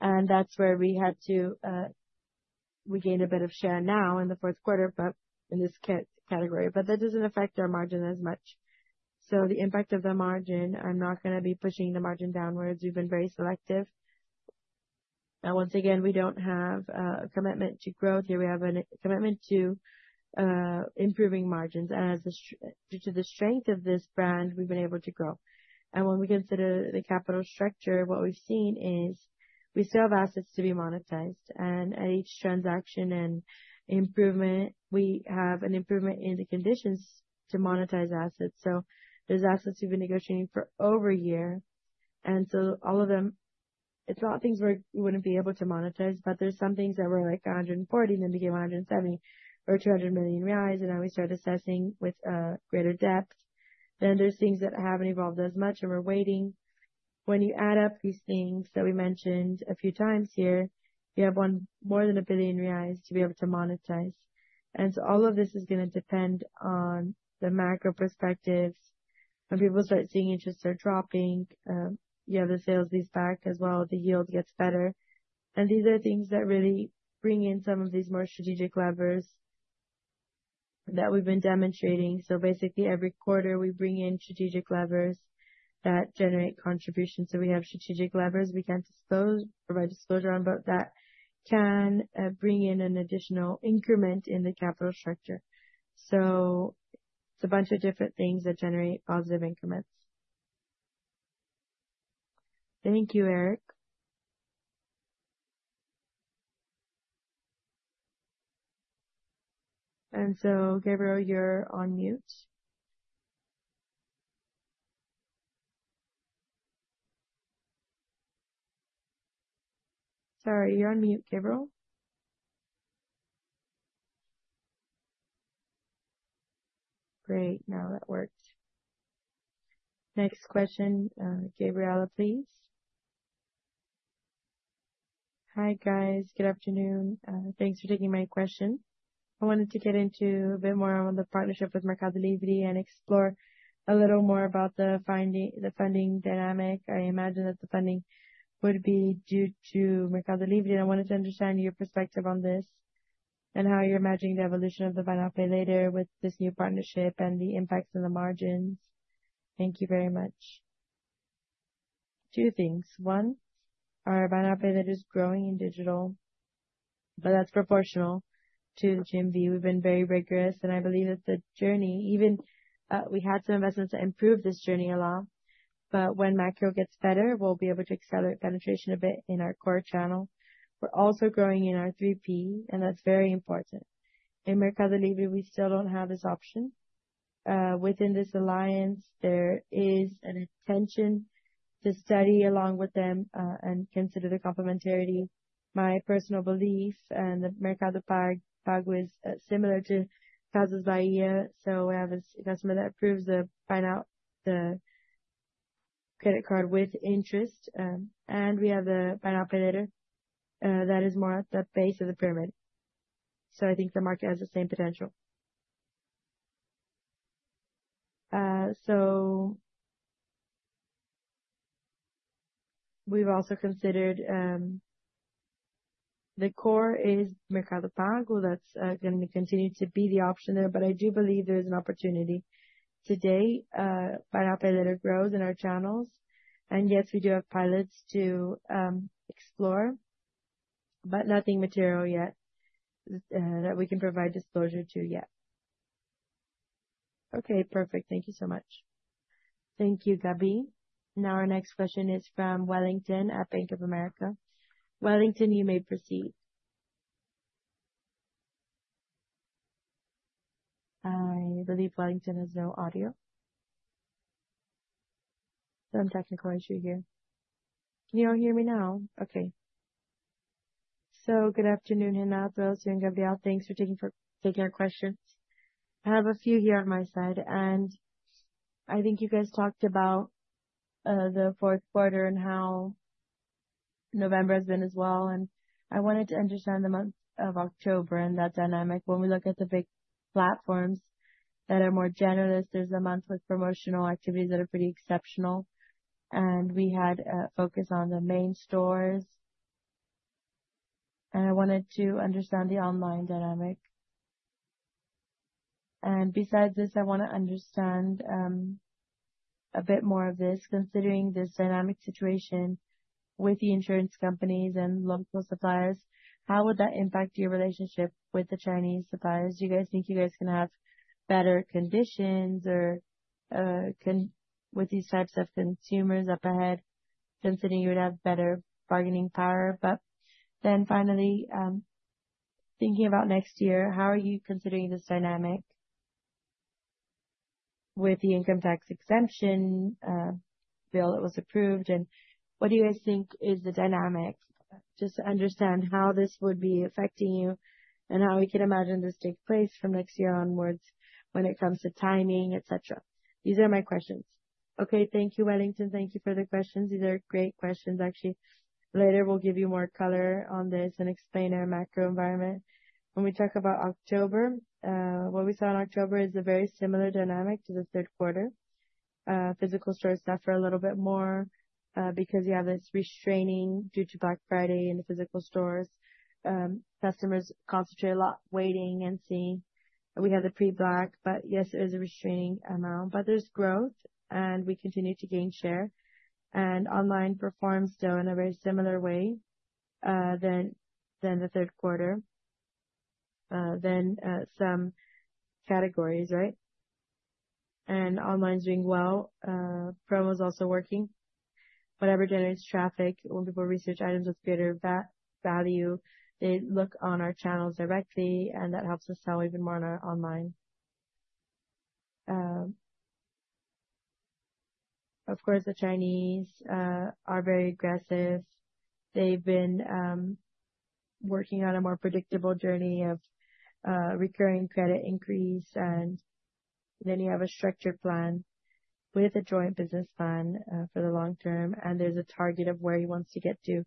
that is where we had to, we gained a bit of share now in the fourth quarter, but in this category. That does not affect our margin as much. The impact of the margin, I'm not going to be pushing the margin downwards. We've been very selective. Once again, we don't have a commitment to growth here. We have a commitment to improving margins. Due to the strength of this brand, we've been able to grow. When we consider the capital structure, what we've seen is we still have assets to be monetized. At each transaction and improvement, we have an improvement in the conditions to monetize assets. There are assets we've been negotiating for over a year. All of them, it's not things we wouldn't be able to monetize, but there are some things that were like 140 million, then became 170 million or 200 million reais. We started assessing with greater depth. There are things that haven't evolved as much, and we're waiting. When you add up these things that we mentioned a few times here, you have more than 1 billion reais to be able to monetize. All of this is going to depend on the macro perspectives. When people start seeing interests are dropping, you have the sales lease back as well. The yield gets better. These are things that really bring in some of these more strategic levers that we have been demonstrating. Basically, every quarter, we bring in strategic levers that generate contributions. We have strategic levers we cannot disclose or by disclosure on, but that can bring in an additional increment in the capital structure. It is a bunch of different things that generate positive increments. Thank you, Eric. Gabriel, you are on mute. Sorry, you are on mute, Gabriel. Great. Now that worked. Next question, Gabriela, please. Hi, guys. Good afternoon. Thanks for taking my question. I wanted to get into a bit more on the partnership with Mercado Livre and explore a little more about the funding dynamic. I imagine that the funding would be due to Mercado Livre. I wanted to understand your perspective on this and how you're imagining the evolution of the Buy Now Pay Later with this new partnership and the impacts in the margins. Thank you very much. Two things. One, our Buy Now Pay Later is growing in digital, but that's proportional to the GMV. We've been very rigorous. I believe that the journey, even we had some investments to improve this journey a lot. When macro gets better, we'll be able to accelerate penetration a bit in our core channel. We're also growing in our 3P, and that's very important. In Mercado Livre, we still don't have this option. Within this alliance, there is an intention to study along with them and consider the complementarity. My personal belief and the Mercado Pago is similar to Casas Bahia. We have an investment that approves the credit card with interest. We have the Buy Now, Pay Later that is more at the base of the pyramid. I think the market has the same potential. We have also considered the core is Mercado Pago that is going to continue to be the option there. I do believe there is an opportunity. Today, Buy Now, Pay Later grows in our channels. Yes, we do have pilots to explore, but nothing material yet that we can provide disclosure to yet. Okay, perfect. Thank you so much. Thank you, Gabi. Now our next question is from Wellington at Bank of America. Wellington, you may proceed. I believe Wellington has no audio. Some technical issue here. Can you all hear me now? Okay. Good afternoon, Renato, Sue, and Gabriela. Thanks for taking our questions. I have a few here on my side. I think you guys talked about the fourth quarter and how November has been as well. I wanted to understand the month of October and that dynamic. When we look at the big platforms that are more generous, there is a month with promotional activities that are pretty exceptional. We had a focus on the main stores. I wanted to understand the online dynamic. Besides this, I want to understand a bit more of this. Considering this dynamic situation with the insurance companies and local suppliers, how would that impact your relationship with the Chinese suppliers? Do you guys think you guys can have better conditions with these types of consumers up ahead, considering you would have better bargaining power? Finally, thinking about next year, how are you considering this dynamic with the income tax exemption bill that was approved? What do you guys think is the dynamic? Just to understand how this would be affecting you and how we can imagine this take place from next year onwards when it comes to timing, etc. These are my questions. Okay, thank you, Wellington. Thank you for the questions. These are great questions, actually. Later, we'll give you more color on this and explain our macro environment. When we talk about October, what we saw in October is a very similar dynamic to the third quarter. Physical stores suffer a little bit more because you have this restraining due to Black Friday in the physical stores. Customers concentrate a lot waiting and seeing. We had the pre-Black, but yes, there is a restraining amount. There is growth, and we continue to gain share. Online performs still in a very similar way than the third quarter. Some categories, right? Online is doing well. Promo is also working. Whatever generates traffic, multiple research items with greater value, they look on our channels directly, and that helps us sell even more on our online. Of course, the Chinese are very aggressive. They have been working on a more predictable journey of recurring credit increase. You have a structured plan with a joint business plan for the long term. There is a target of where he wants to get to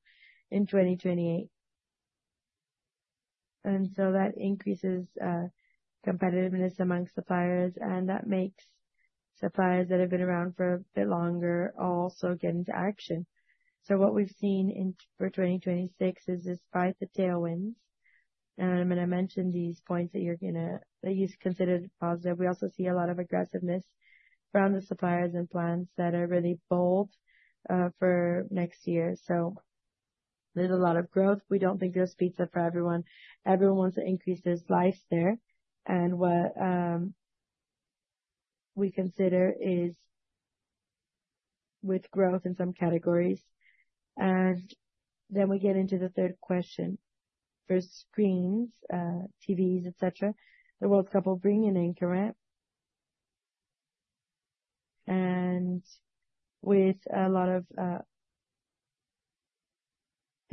in 2028. That increases competitiveness among suppliers. That makes suppliers that have been around for a bit longer also get into action. What we've seen for 2026 is despite the tailwinds, and I'm going to mention these points that you considered positive, we also see a lot of aggressiveness around the suppliers and plans that are really bold for next year. There is a lot of growth. We do not think there is pizza for everyone. Everyone wants to increase their slice there. What we consider is with growth in some categories. Then we get into the third question. For screens, TVs, etc., the World Cup bringing an increment. With a lot of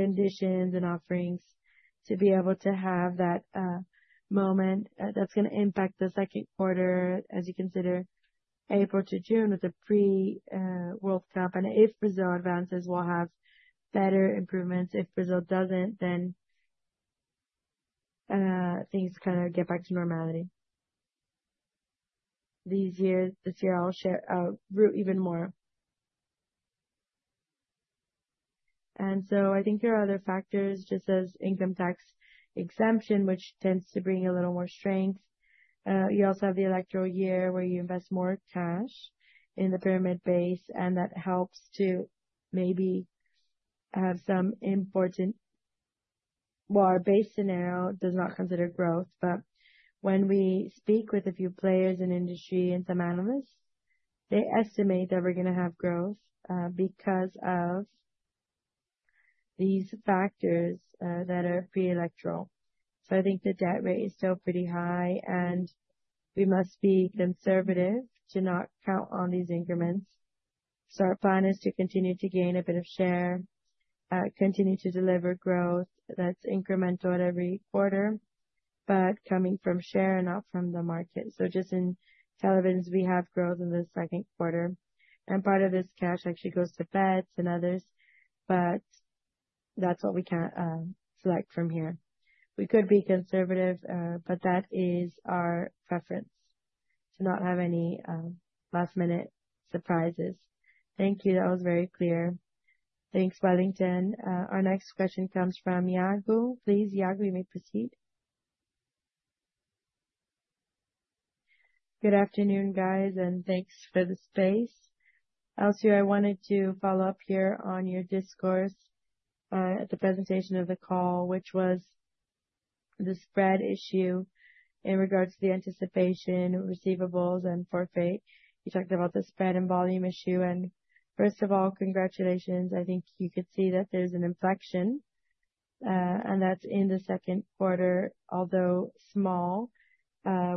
conditions and offerings to be able to have that moment, that is going to impact the second quarter, as you consider April to June with the pre-World Cup. If Brazil advances, we'll have better improvements. If Brazil doesn't, then things kind of get back to normality. This year, I'll root even more. I think there are other factors, just as income tax exemption, which tends to bring a little more strength. You also have the electoral year where you invest more cash in the pyramid base. That helps to maybe have some important. Our base scenario does not consider growth. When we speak with a few players in industry and some analysts, they estimate that we're going to have growth because of these factors that are pre-electoral. I think the debt rate is still pretty high. We must be conservative to not count on these increments. Our plan is to continue to gain a bit of share, continue to deliver growth that is incremental at every quarter, but coming from share and not from the market. Just in televisions, we have growth in the second quarter. Part of this cash actually goes to bets and others. That is what we can select from here. We could be conservative, but that is our preference to not have any last-minute surprises. Thank you. That was very clear. Thanks, Wellington. Our next question comes from Yago. Please, Yago, you may proceed. Good afternoon, guys, and thanks for the space. Also, I wanted to follow up here on your discourse at the presentation of the call, which was the spread issue in regards to the anticipation, receivables, and forfeit. You talked about the spread and volume issue. First of all, congratulations. I think you could see that there's an inflection. That is in the second quarter, although small.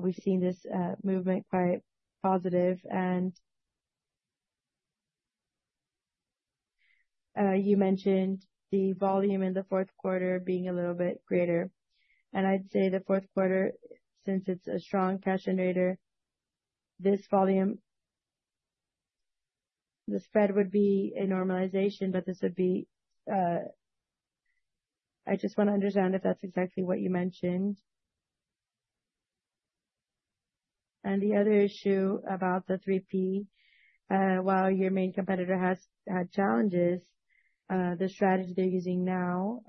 We've seen this movement quite positive. You mentioned the volume in the fourth quarter being a little bit greater. I would say the fourth quarter, since it's a strong cash generator, this volume, the spread would be a normalization. I just want to understand if that's exactly what you mentioned. The other issue about the 3P, while your main competitor has had challenges, the strategy they're using now.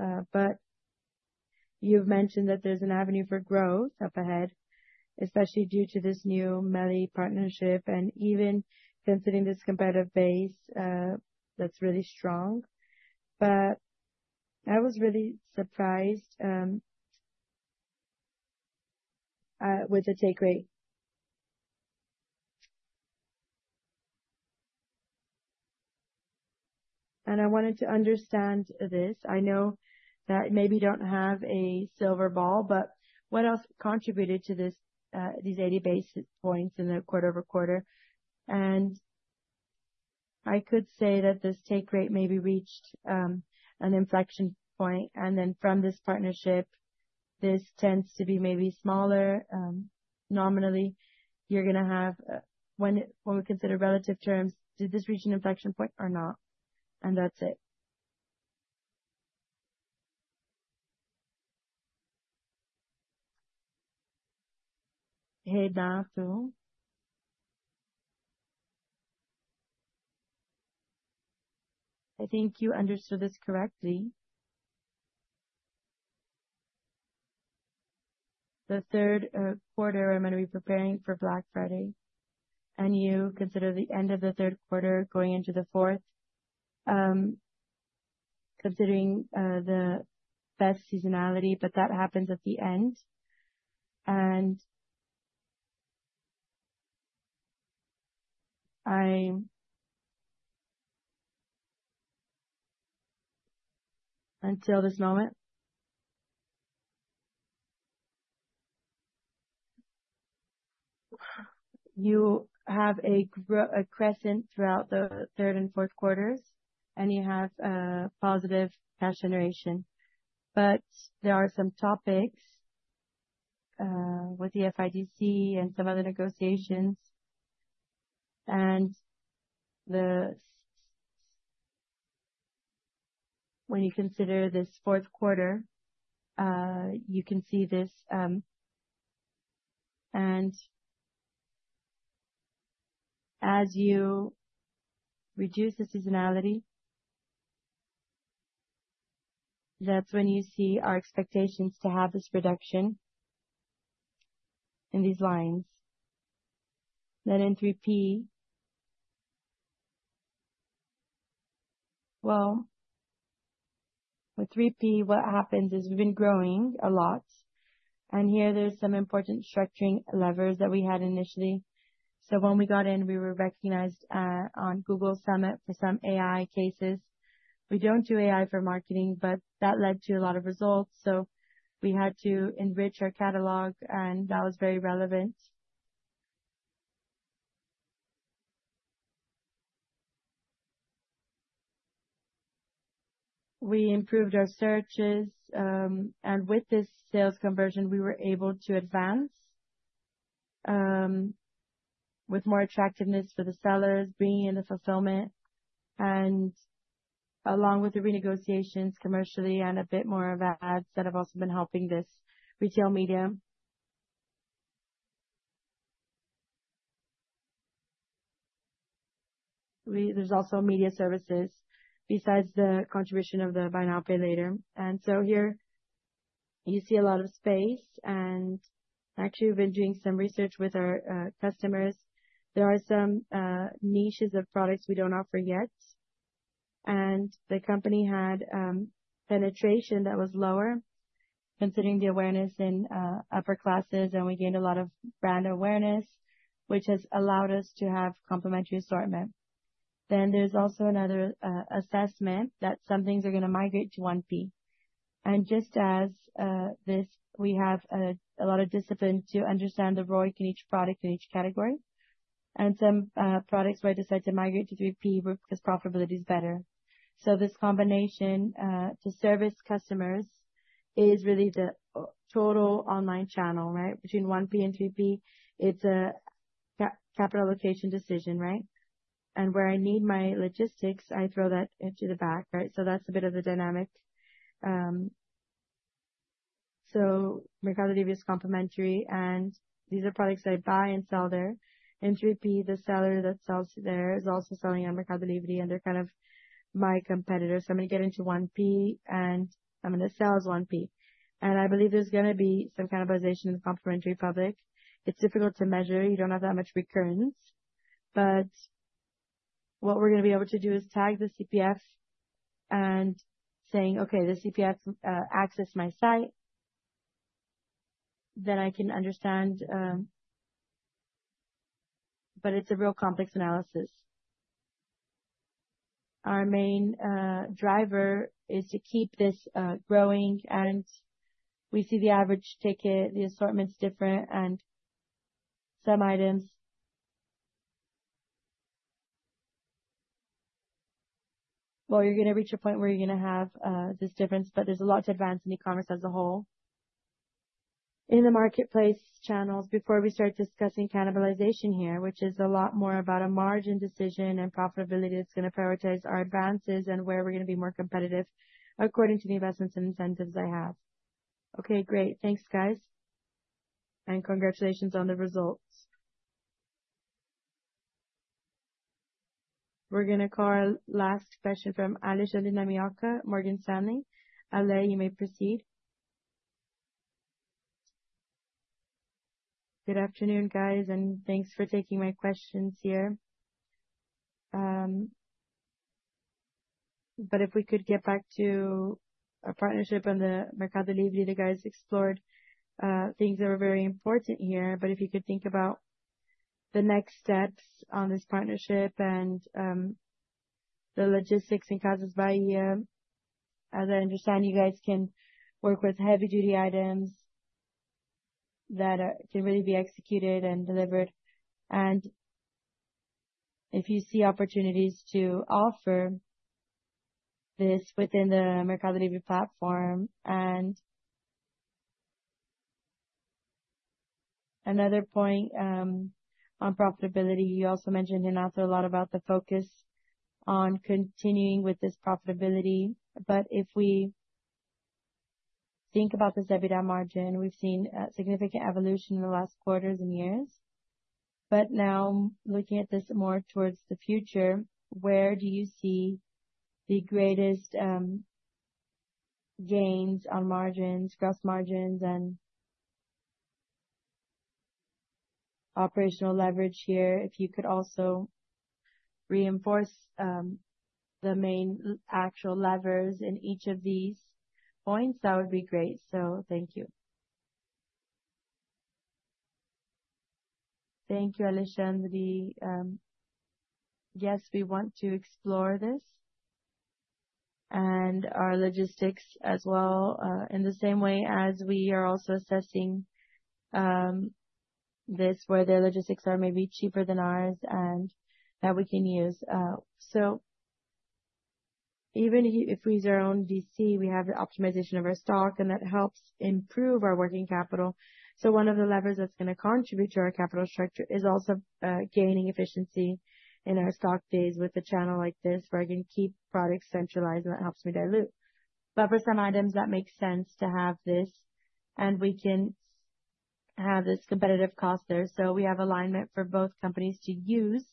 You mentioned that there's an avenue for growth up ahead, especially due to this new Meli partnership and even considering this competitive base that's really strong. I was really surprised with the take rate. I wanted to understand this. I know that maybe you don't have a silver ball, but what else contributed to these 80 basis points in the quarter over quarter? I could say that this take rate maybe reached an inflection point. From this partnership, this tends to be maybe smaller. Nominally, you're going to have, when we consider relative terms, did this reach an inflection point or not? That's it. Hey, Nathu. I think you understood this correctly. The third quarter, I'm going to be preparing for Black Friday. You consider the end of the third quarter going into the fourth, considering the best seasonality, but that happens at the end. Until this moment, you have a crescent throughout the third and fourth quarters, and you have positive cash generation. There are some topics with the FIDC and some other negotiations. When you consider this fourth quarter, you can see this. As you reduce the seasonality, that is when you see our expectations to have this reduction in these lines. In 3P, what happens is we have been growing a lot. Here, there are some important structuring levers that we had initially. When we got in, we were recognized on Google Summit for some AI cases. We do not do AI for marketing, but that led to a lot of results. We had to enrich our catalog, and that was very relevant. We improved our searches. With this sales conversion, we were able to advance with more attractiveness for the sellers, bringing in the fulfillment. Along with the renegotiations commercially and a bit more of ads that have also been helping this retail media. There's also media services besides the contribution of the Buy Now Pay Later. Here you see a lot of space. Actually, we've been doing some research with our customers. There are some niches of products we do not offer yet. The company had penetration that was lower, considering the awareness in upper classes. We gained a lot of brand awareness, which has allowed us to have complimentary assortment. There is also another assessment that some things are going to migrate to 1P. Just as this, we have a lot of discipline to understand the ROI in each product in each category. Some products might decide to migrate to 3P because profitability is better. This combination to service customers is really the total online channel, right? Between 1P and 3P, it is a capital allocation decision, right? Where I need my logistics, I throw that into the back, right? That is a bit of the dynamic. Mercado Livre is complimentary. These are products that I buy and sell there. In 3P, the seller that sells there is also selling on Mercado Livre, and they are kind of my competitor. I am going to get into 1P, and I am going to sell as 1P. I believe there is going to be some cannibalization of the complimentary public. It is difficult to measure. You do not have that much recurrence. What we are going to be able to do is tag the CPF and say, "Okay, the CPF accessed my site." Then I can understand. It is a real complex analysis. Our main driver is to keep this growing. We see the average ticket, the assortment is different, and some items. You're going to reach a point where you're going to have this difference, but there's a lot to advance in e-commerce as a whole. In the marketplace channels, before we start discussing cannibalization here, which is a lot more about a margin decision and profitability, it's going to prioritize our advances and where we're going to be more competitive according to the investments and incentives I have. Okay, great. Thanks, guys. Congratulations on the results. We're going to call last question from Alicia Linamiyaka, Morgan Stanley. Aleh, you may proceed. Good afternoon, guys, and thanks for taking my questions here. If we could get back to our partnership on the Mercado Livre, the guys explored things that were very important here. If you could think about the next steps on this partnership and the logistics in Casas Bahia, as I understand, you guys can work with heavy-duty items that can really be executed and delivered. If you see opportunities to offer this within the Mercado Livre platform. Another point on profitability, you also mentioned, Renato, a lot about the focus on continuing with this profitability. If we think about this EBITDA margin, we've seen significant evolution in the last quarters and years. Now looking at this more towards the future, where do you see the greatest gains on margins, gross margins, and operational leverage here? If you could also reinforce the main actual levers in each of these points, that would be great. Thank you. Thank you, Alicia. The guests, we want to explore this and our logistics as well in the same way as we are also assessing this, where their logistics are maybe cheaper than ours and that we can use. Even if we zero in DC, we have the optimization of our stock, and that helps improve our working capital. One of the levers that is going to contribute to our capital structure is also gaining efficiency in our stock days with a channel like this where I can keep products centralized, and that helps me dilute. For some items, that makes sense to have this, and we can have this competitive cost there. We have alignment for both companies to use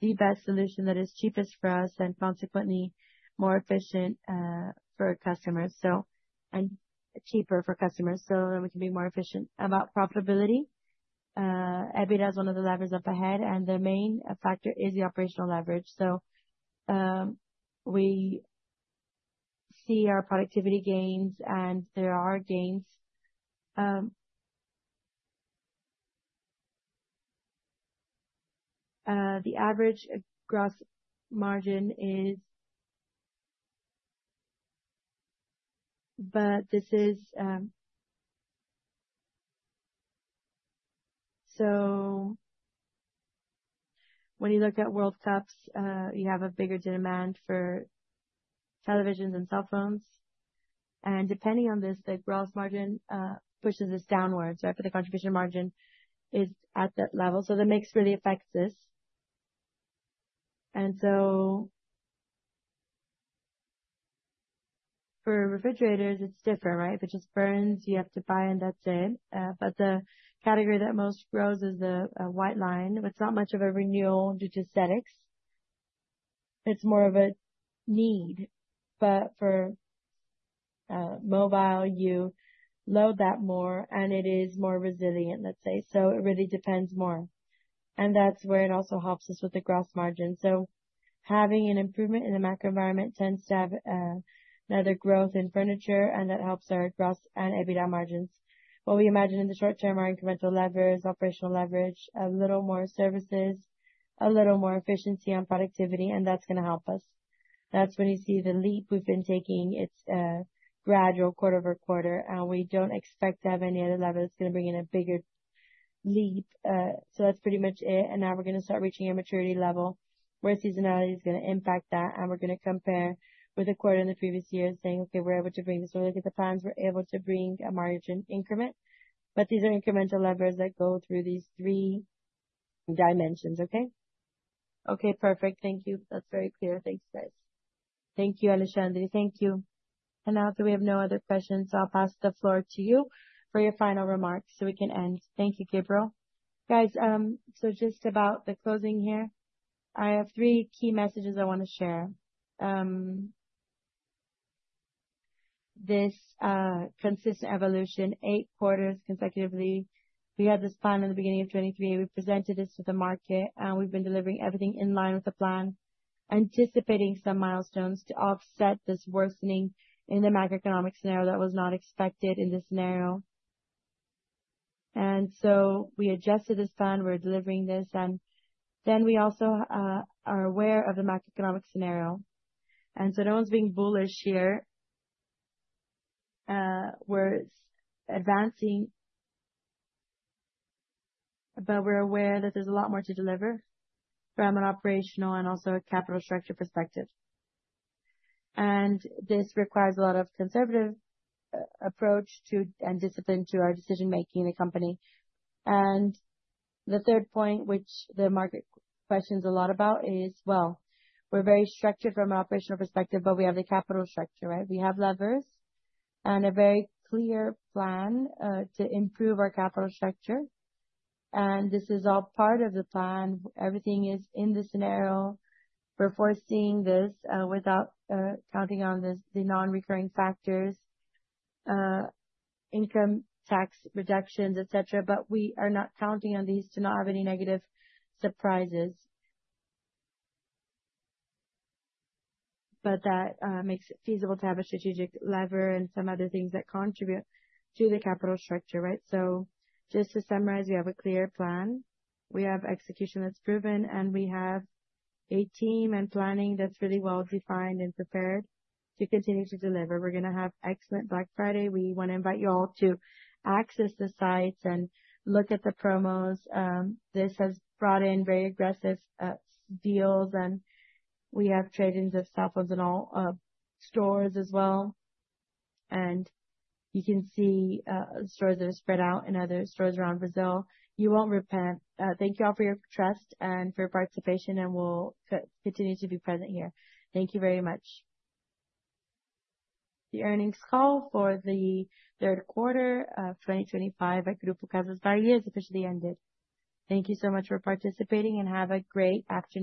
the best solution that is cheapest for us and consequently more efficient for customers. Cheaper for customers so that we can be more efficient. About profitability, EBITDA is one of the levers up ahead, and the main factor is the operational leverage. We see our productivity gains, and there are gains. The average gross margin is. This is. When you look at World Cups, you have a bigger demand for televisions and cell phones. Depending on this, the gross margin pushes us downwards, right? The contribution margin is at that level. The mix really affects this. For refrigerators, it is different, right? If it just burns, you have to buy, and that's it. The category that most grows is the white line. It is not much of a renewal due to aesthetics. It is more of a need. For mobile, you load that more, and it is more resilient, let's say. It really depends more. That is where it also helps us with the gross margin. Having an improvement in the macro environment tends to have another growth in furniture, and that helps our gross and EBITDA margins. What we imagine in the short term are incremental levers, operational leverage, a little more services, a little more efficiency on productivity, and that's going to help us. That's when you see the leap we've been taking. It's gradual quarter over quarter, and we don't expect to have any other level. It's going to bring in a bigger leap. That's pretty much it. Now we're going to start reaching a maturity level where seasonality is going to impact that. We're going to compare with a quarter in the previous year saying, "Okay, we're able to bring this." We're looking at the plans. We're able to bring a margin increment. These are incremental levers that go through these three dimensions. Okay? Okay, perfect. Thank you. That's very clear. Thanks, guys. Thank you, Alicia. Thank you. Now that we have no other questions, I'll pass the floor to you for your final remarks so we can end. Thank you, Gabriel. Guys, just about the closing here, I have three key messages I want to share. This consistent evolution, eight quarters consecutively. We had this plan in the beginning of 2023. We presented this to the market, and we've been delivering everything in line with the plan, anticipating some milestones to offset this worsening in the macroeconomic scenario that was not expected in this scenario. We adjusted this plan. We're delivering this. We also are aware of the macroeconomic scenario. No one's being bullish here. We're advancing, but we're aware that there's a lot more to deliver from an operational and also a capital structure perspective. This requires a lot of conservative approach and discipline to our decision-making in the company. The third point, which the market questions a lot about, is we are very structured from an operational perspective, but we have the capital structure, right? We have levers and a very clear plan to improve our capital structure. This is all part of the plan. Everything is in the scenario. We are forcing this without counting on the non-recurring factors, income tax reductions, etc. We are not counting on these to not have any negative surprises. That makes it feasible to have a strategic lever and some other things that contribute to the capital structure, right? Just to summarize, we have a clear plan. We have execution that is proven, and we have a team and planning that is really well-defined and prepared to continue to deliver. We're going to have excellent Black Friday. We want to invite you all to access the sites and look at the promos. This has brought in very aggressive deals, and we have trade-ins of cell phones in all stores as well. You can see stores that are spread out in other stores around Brazil. You won't repent. Thank you all for your trust and for your participation, and we'll continue to be present here. Thank you very much. The earnings call for the Third Quarter of 2025 at Grupo Casas Bahia has officially ended. Thank you so much for participating, and have a great afternoon.